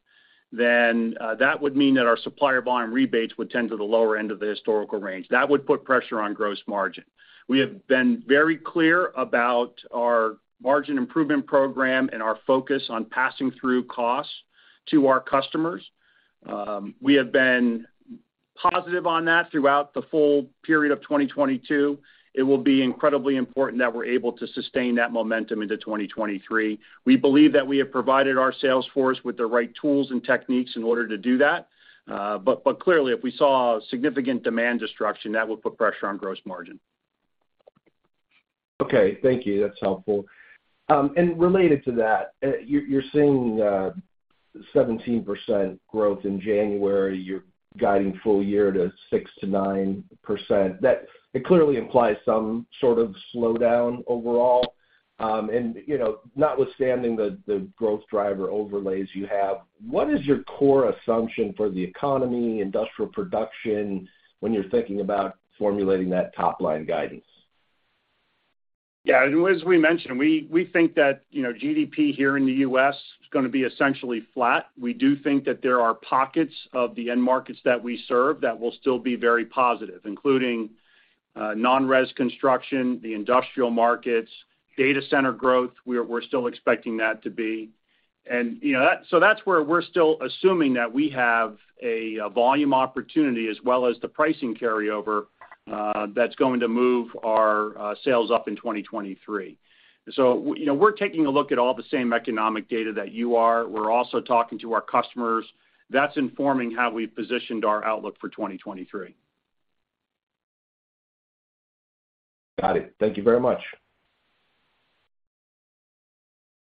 that would mean that our supplier volume rebates would tend to the lower end of the historical range. That would put pressure on gross margin. We have been very clear about our margin improvement program and our focus on passing through costs to our customers. We have been positive on that throughout the full period of 2022. It will be incredibly important that we're able to sustain that momentum into 2023. We believe that we have provided our sales force with the right tools and techniques in order to do that. Clearly, if we saw significant demand destruction, that would put pressure on gross margin. Okay. Thank you. That's helpful. Related to that, you're seeing 17% growth in January. You're guiding full year to 6%-9%. It clearly implies some sort of slowdown overall. You know, notwithstanding the growth driver overlays you have, what is your core assumption for the economy, industrial production when you're thinking about formulating that top-line guidance? Yeah. As we mentioned, we think that, you know, GDP here in the U.S. is gonna be essentially flat. We do think that there are pockets of the end markets that we serve that will still be very positive, including non-res construction, the industrial markets, data center growth, we're still expecting that to be. you know, that's where we're still assuming that we have a volume opportunity as well as the pricing carryover that's going to move our sales up in 2023. you know, we're taking a look at all the same economic data that you are. We're also talking to our customers. That's informing how we positioned our outlook for 2023. Got it. Thank you very much.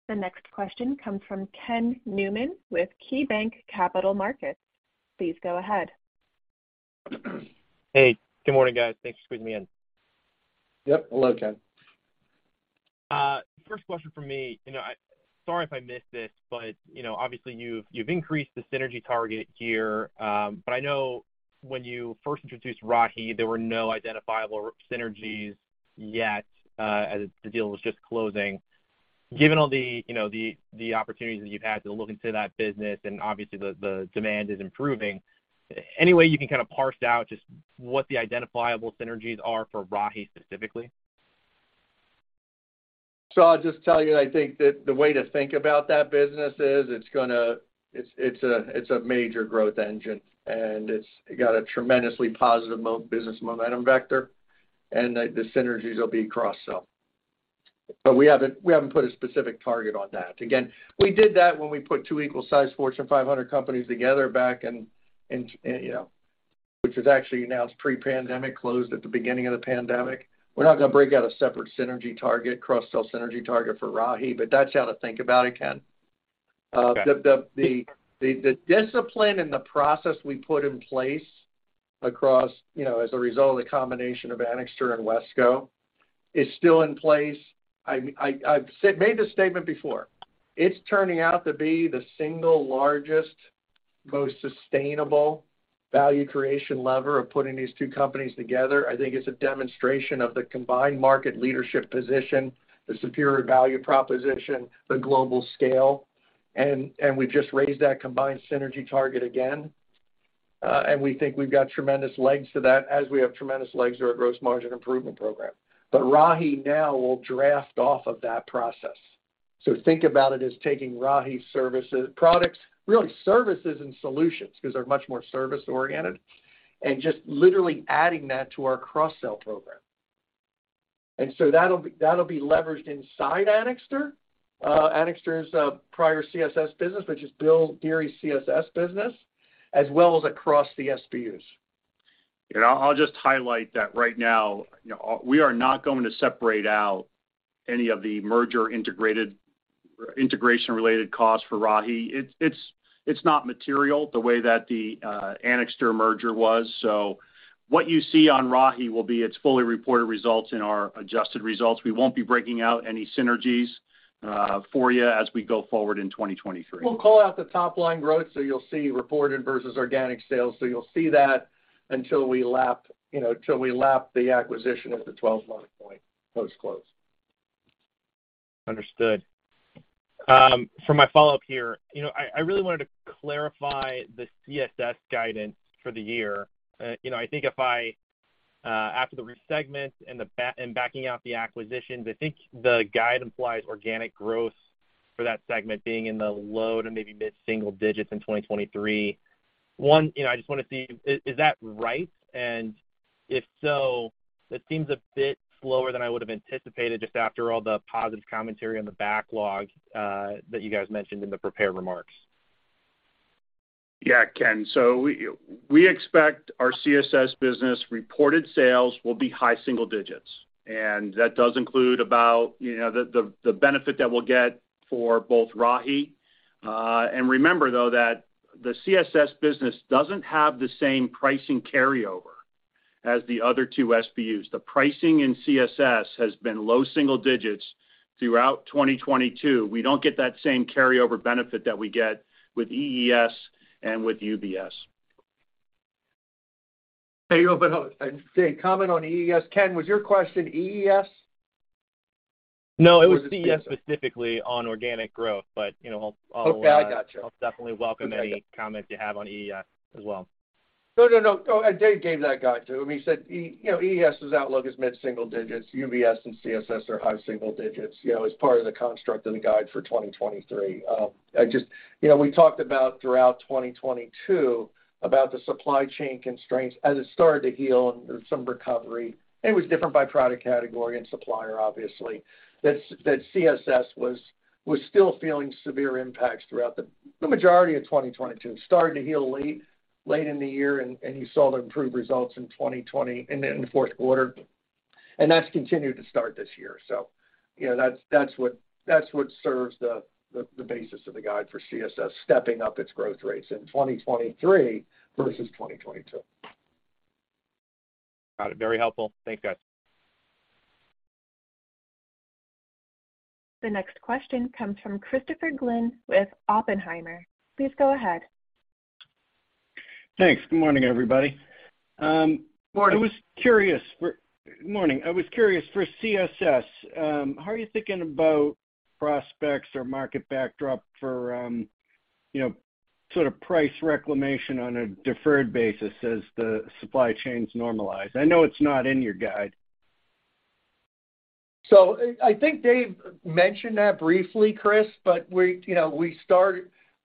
The next question comes from Ken Newman with KeyBanc Capital Markets. Please go ahead. Hey, good morning, guys. Thanks for squeezing me in. Yep. Hello, Ken. First question from me. You know, sorry if I missed this, but, you know, obviously, you've increased the synergy target here, but I know when you first introduced Rahi, there were no identifiable synergies yet, as the deal was just closing. Given all the, you know, the opportunities that you've had to look into that business and obviously, the demand is improving, any way you can kind of parse out just what the identifiable synergies are for Rahi specifically? I'll just tell you, I think that the way to think about that business is it's a major growth engine, and it's got a tremendously positive business momentum vector, and the synergies will be cross-sell. We haven't put a specific target on that. We did that when we put two equal size Fortune 500 companies together back in, you know, which is actually announced pre-pandemic, closed at the beginning of the pandemic. We're not gonna break out a separate synergy target, cross-sell synergy target for Rahi. That's how to think about it, Ken. Okay. The discipline and the process we put in place across, you know, as a result of the combination of Anixter and WESCO is still in place. I've made this statement before. It's turning out to be the single largest, most sustainable value creation lever of putting these two companies together. I think it's a demonstration of the combined market leadership position, the superior value proposition, the global scale. We've just raised that combined synergy target again. We think we've got tremendous legs to that as we have tremendous legs to our gross margin improvement program. Rahi now will draft off of that process. Think about it as taking Rahi services, products, really services and solutions 'cause they're much more service-oriented, and just literally adding that to our cross-sell program. That'll be leveraged inside Anixter. Anixter's prior CSS business, which is Bill Geary's CSS business, as well as across the SBUs. I'll just highlight that right now, you know, we are not going to separate out any of the integration-related costs for Rahi. It's not material the way that the Anixter merger was. What you see on Rahi will be its fully reported results in our adjusted results. We won't be breaking out any synergies for you as we go forward in 2023. We'll call out the top line growth. You'll see reported versus organic sales. You'll see that until we lap, you know, till we lap the acquisition at the 12-month point post-close. Understood. For my follow-up here, you know, I really wanted to clarify the CSS guidance for the year. You know, I think if after the resegment and backing out the acquisitions, I think the guide implies organic growth for that segment being in the low to mid-single digits in 2023. You know, I just want to see, is that right? If so, it seems a bit slower than I would've anticipated just after all the positive commentary on the backlog that you guys mentioned in the prepared remarks. Yeah, Ken. We expect our CSS business reported sales will be high single digits, and that does include about, you know, the benefit that we'll get for both Rahi. Remember, though, that the CSS business doesn't have the same pricing carryover as the other two SBUs. The pricing in CSS has been low single digits throughout 2022. We don't get that same carryover benefit that we get with EES and with UBS. Dave, comment on EES. Ken, was your question EES? No, it was CSS specifically on organic growth. you know, I'll. Okay, I gotcha. I'll definitely welcome any comment you have on EES as well. No, no. No, Dave gave that guide too, and he said You know, EES's outlook is mid-single digits. UBS and CSS are high single digits, you know, as part of the construct of the guide for 2023. You know, we talked about throughout 2022 about the supply chain constraints as it started to heal and there was some recovery, and it was different by product category and supplier, obviously. That CSS was still feeling severe impacts throughout the majority of 2022. It started to heal late in the year, and you saw the improved results in the fourth quarter. That's continued to start this year. you know, that's what serves the basis of the guide for CSS stepping up its growth rates in 2023 versus 2022. Got it. Very helpful. Thanks, guys. The next question comes from Christopher Glynn with Oppenheimer. Please go ahead. Thanks. Good morning, everybody. Morning. Morning. I was curious for CSS, how are you thinking about prospects or market backdrop for, you know, sort of price reclamation on a deferred basis as the supply chains normalize? I know it's not in your guide. I think Dave mentioned that briefly, Chris, we, you know,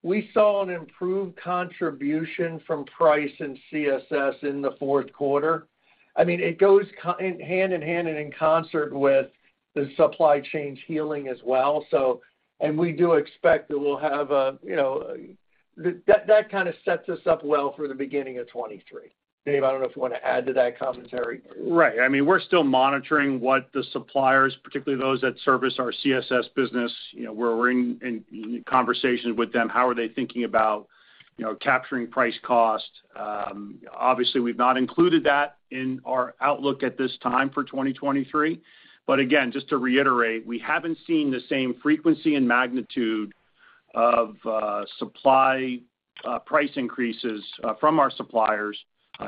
We saw an improved contribution from price and CSS in the fourth quarter. I mean, it goes hand in hand and in concert with the supply chains healing as well, so. We do expect that we'll have a, you know. That kinda sets us up well for the beginning of 2023. Dave, I don't know if you wanna add to that commentary. Right. I mean, we're still monitoring what the suppliers, particularly those that service our CSS business, you know, we're in conversations with them. How are they thinking about, you know, capturing price cost? Obviously, we've not included that in our outlook at this time for 2023. Again, just to reiterate, we haven't seen the same frequency and magnitude of supply price increases from our suppliers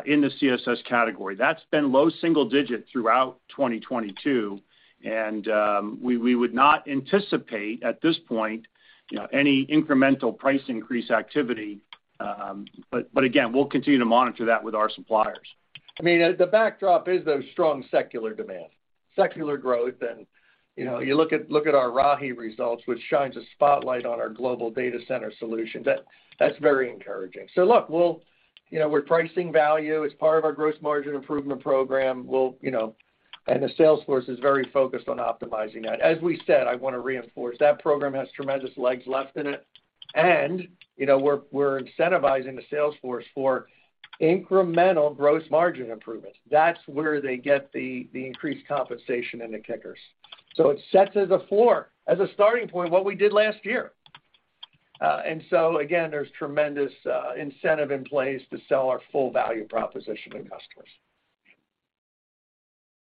in the CSS category. That's been low single digit throughout 2022, and we would not anticipate, at this point, you know, any incremental price increase activity. Again, we'll continue to monitor that with our suppliers. I mean, the backdrop is the strong secular demand, secular growth. You know, you look at our Rahi results, which shines a spotlight on our global Data Center Solution. That's very encouraging. Look, we'll. You know, we're pricing value as part of our gross margin improvement program. We'll, you know. The sales force is very focused on optimizing that. As we said, I wanna reinforce, that program has tremendous legs left in it. You know, we're incentivizing the sales force for incremental gross margin improvements. That's where they get the increased compensation and the kickers. It sets as a floor, as a starting point, what we did last year. Again, there's tremendous incentive in place to sell our full value proposition to customers.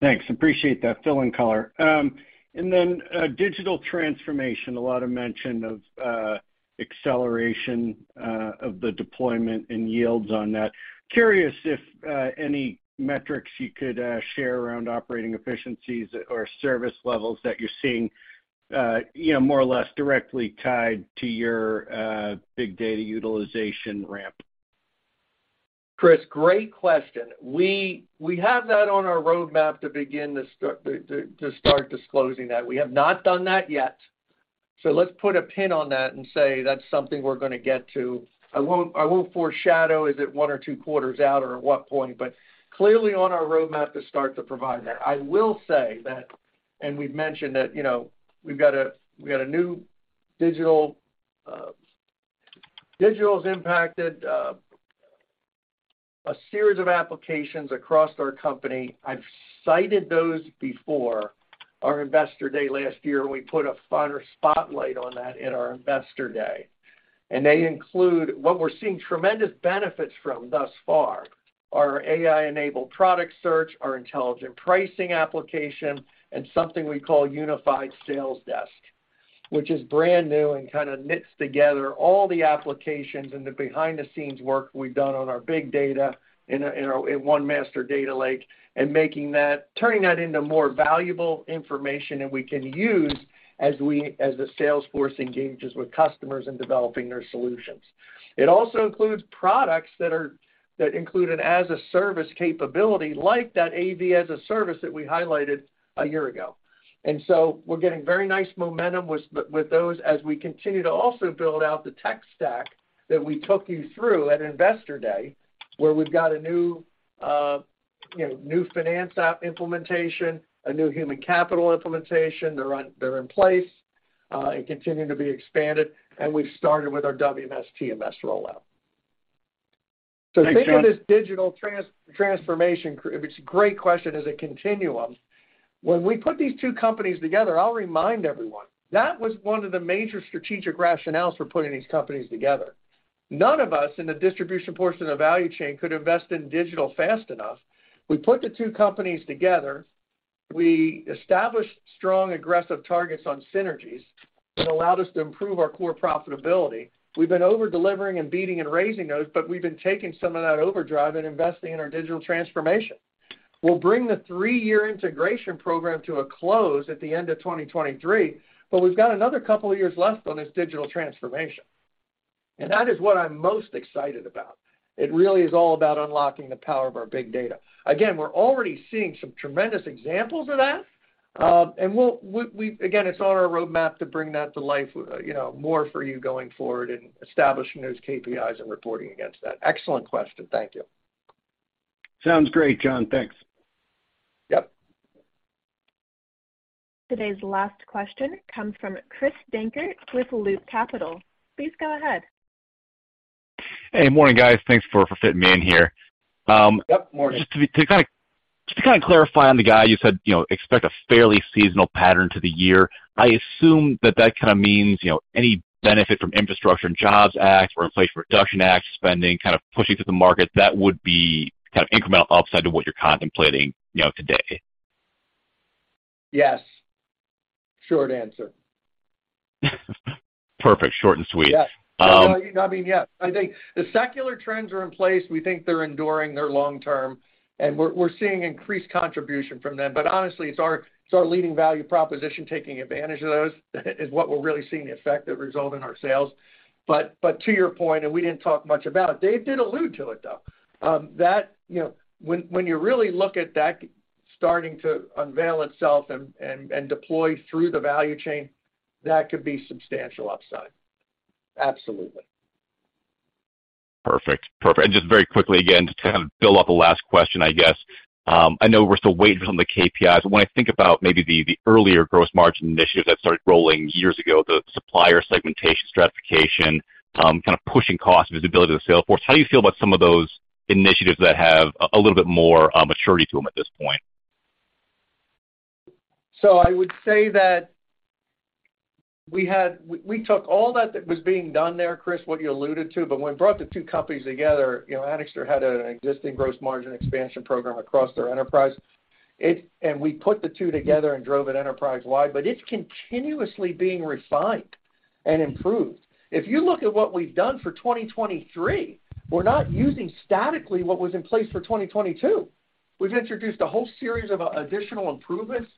Thanks. Appreciate that fill in color. Digital transformation. A lot of mention of acceleration of the deployment and yields on that. Curious if any metrics you could share around operating efficiencies or service levels that you're seeing, you know, more or less directly tied to your big data utilization ramp? Chris, great question. We have that on our roadmap to begin to start disclosing that. We have not done that yet. Let's put a pin on that and say that's something we're gonna get to. I won't foreshadow is it one or two quarters out or at what point, but clearly on our roadmap to start to provide that. I will say that, and we've mentioned that, you know, we've got a new digital. Digital's impacted a series of applications across our company. I've cited those before. Our investor day last year, we put a funner spotlight on that in our investor day. They include what we're seeing tremendous benefits from thus far, our AI-enabled product search, our intelligent pricing application, and something we call unified sales desk, which is brand new and kind of knits together all the applications and the behind the scenes work we've done on our big data in one master data lake, turning that into more valuable information that we can use as the sales force engages with customers in developing their solutions. It also includes products that include an as a service capability like that AV as a service that we highlighted a year ago. We're getting very nice momentum with those as we continue to also build out the tech stack that we took you through at Investor Day, where we've got a new, you know, new finance app implementation, a new human capital implementation. They're in place and continuing to be expanded. We've started with our WMS/TMS rollout. Thanks, John. Thinking of this digital transformation, it's a great question, as a continuum. When we put these two companies together, I'll remind everyone, that was one of the major strategic rationales for putting these companies together. None of us in the distribution portion of the value chain could invest in digital fast enough. We put the two companies together. We established strong, aggressive targets on synergies that allowed us to improve our core profitability. We've been over-delivering and beating and raising those, but we've been taking some of that overdrive and investing in our digital transformation. We'll bring the 3-year integration program to a close at the end of 2023, but we've got another couple of years left on this digital transformation. That is what I'm most excited about. It really is all about unlocking the power of our big data. Again, we're already seeing some tremendous examples of that. Again, it's on our roadmap to bring that to life, you know, more for you going forward and establishing those KPIs and reporting against that. Excellent question. Thank you. Sounds great, John. Thanks. Yep. Today's last question comes from Chris Dankert with Loop Capital. Please go ahead. Hey, morning, guys. Thanks for fitting me in here. Yep, Morning. Just to kind of clarify on the guide, you said, you know, expect a fairly seasonal pattern to the year. I assume that kinda means, you know, any benefit from Infrastructure Investment and Jobs Act or Inflation Reduction Act spending kind of pushing through the market, that would be kind of incremental upside to what you're contemplating, you know, today. Yes. Short answer. Perfect. Short and sweet. Yes. No, I mean, yeah. I think the secular trends are in place. We think they're enduring, they're long term, and we're seeing increased contribution from them. Honestly, it's our, it's our leading value proposition, taking advantage of those is what we're really seeing the effect that result in our sales. To your point, and we didn't talk much about it, Dave did allude to it though, that, you know, when you really look at that starting to unveil itself and, and deploy through the value chain, that could be substantial upside. Absolutely. Perfect. Just very quickly, again, just to kind of build off the last question, I guess. I know we're still waiting on the KPIs, but when I think about maybe the earlier gross margin initiatives that started rolling years ago, the supplier segmentation, stratification, kind of pushing cost visibility to the sales force, how do you feel about some of those initiatives that have a little bit more maturity to them at this point? I would say that we took all that that was being done there, Chris, what you alluded to, but when brought the two companies together, you know, Anixter had an existing gross margin expansion program across their enterprise. We put the two together and drove it enterprise-wide, but it's continuously being refined and improved. If you look at what we've done for 2023, we're not using statically what was in place for 2022. We've introduced a whole series of additional improvements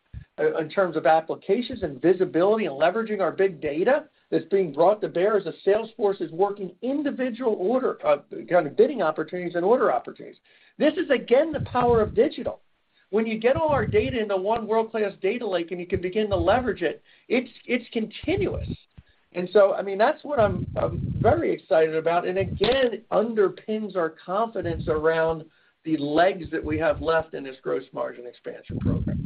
in terms of applications and visibility and leveraging our big data that's being brought to bear as the sales force is working individual order, kind of bidding opportunities and order opportunities. This is, again, the power of digital. When you get all our data into one world-class data lake and you can begin to leverage it's continuous. I mean, that's what I'm very excited about. Underpins our confidence around the legs that we have left in this gross margin expansion program.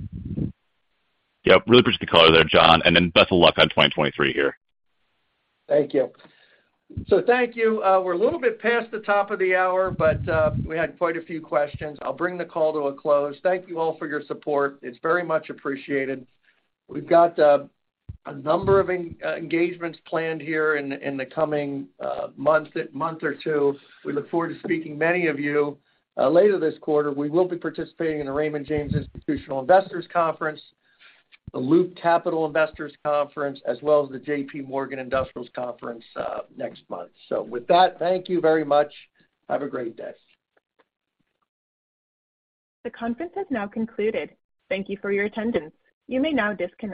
Yep. Really appreciate the color there, John, best of luck on 2023 here. Thank you. Thank you. We're a little bit past the top of the hour, we had quite a few questions. I'll bring the call to a close. Thank you all for your support. It's very much appreciated. We've got a number of engagements planned here in the coming months, month or two. We look forward to speaking to many of you. Later this quarter, we will be participating in the Raymond James Institutional Investors Conference, the Loop Capital Investors Conference, as well as the J.P. Morgan Industrials Conference next month. With that, thank you very much. Have a great day. The conference has now concluded. Thank you for your attendance. You may now disconnect.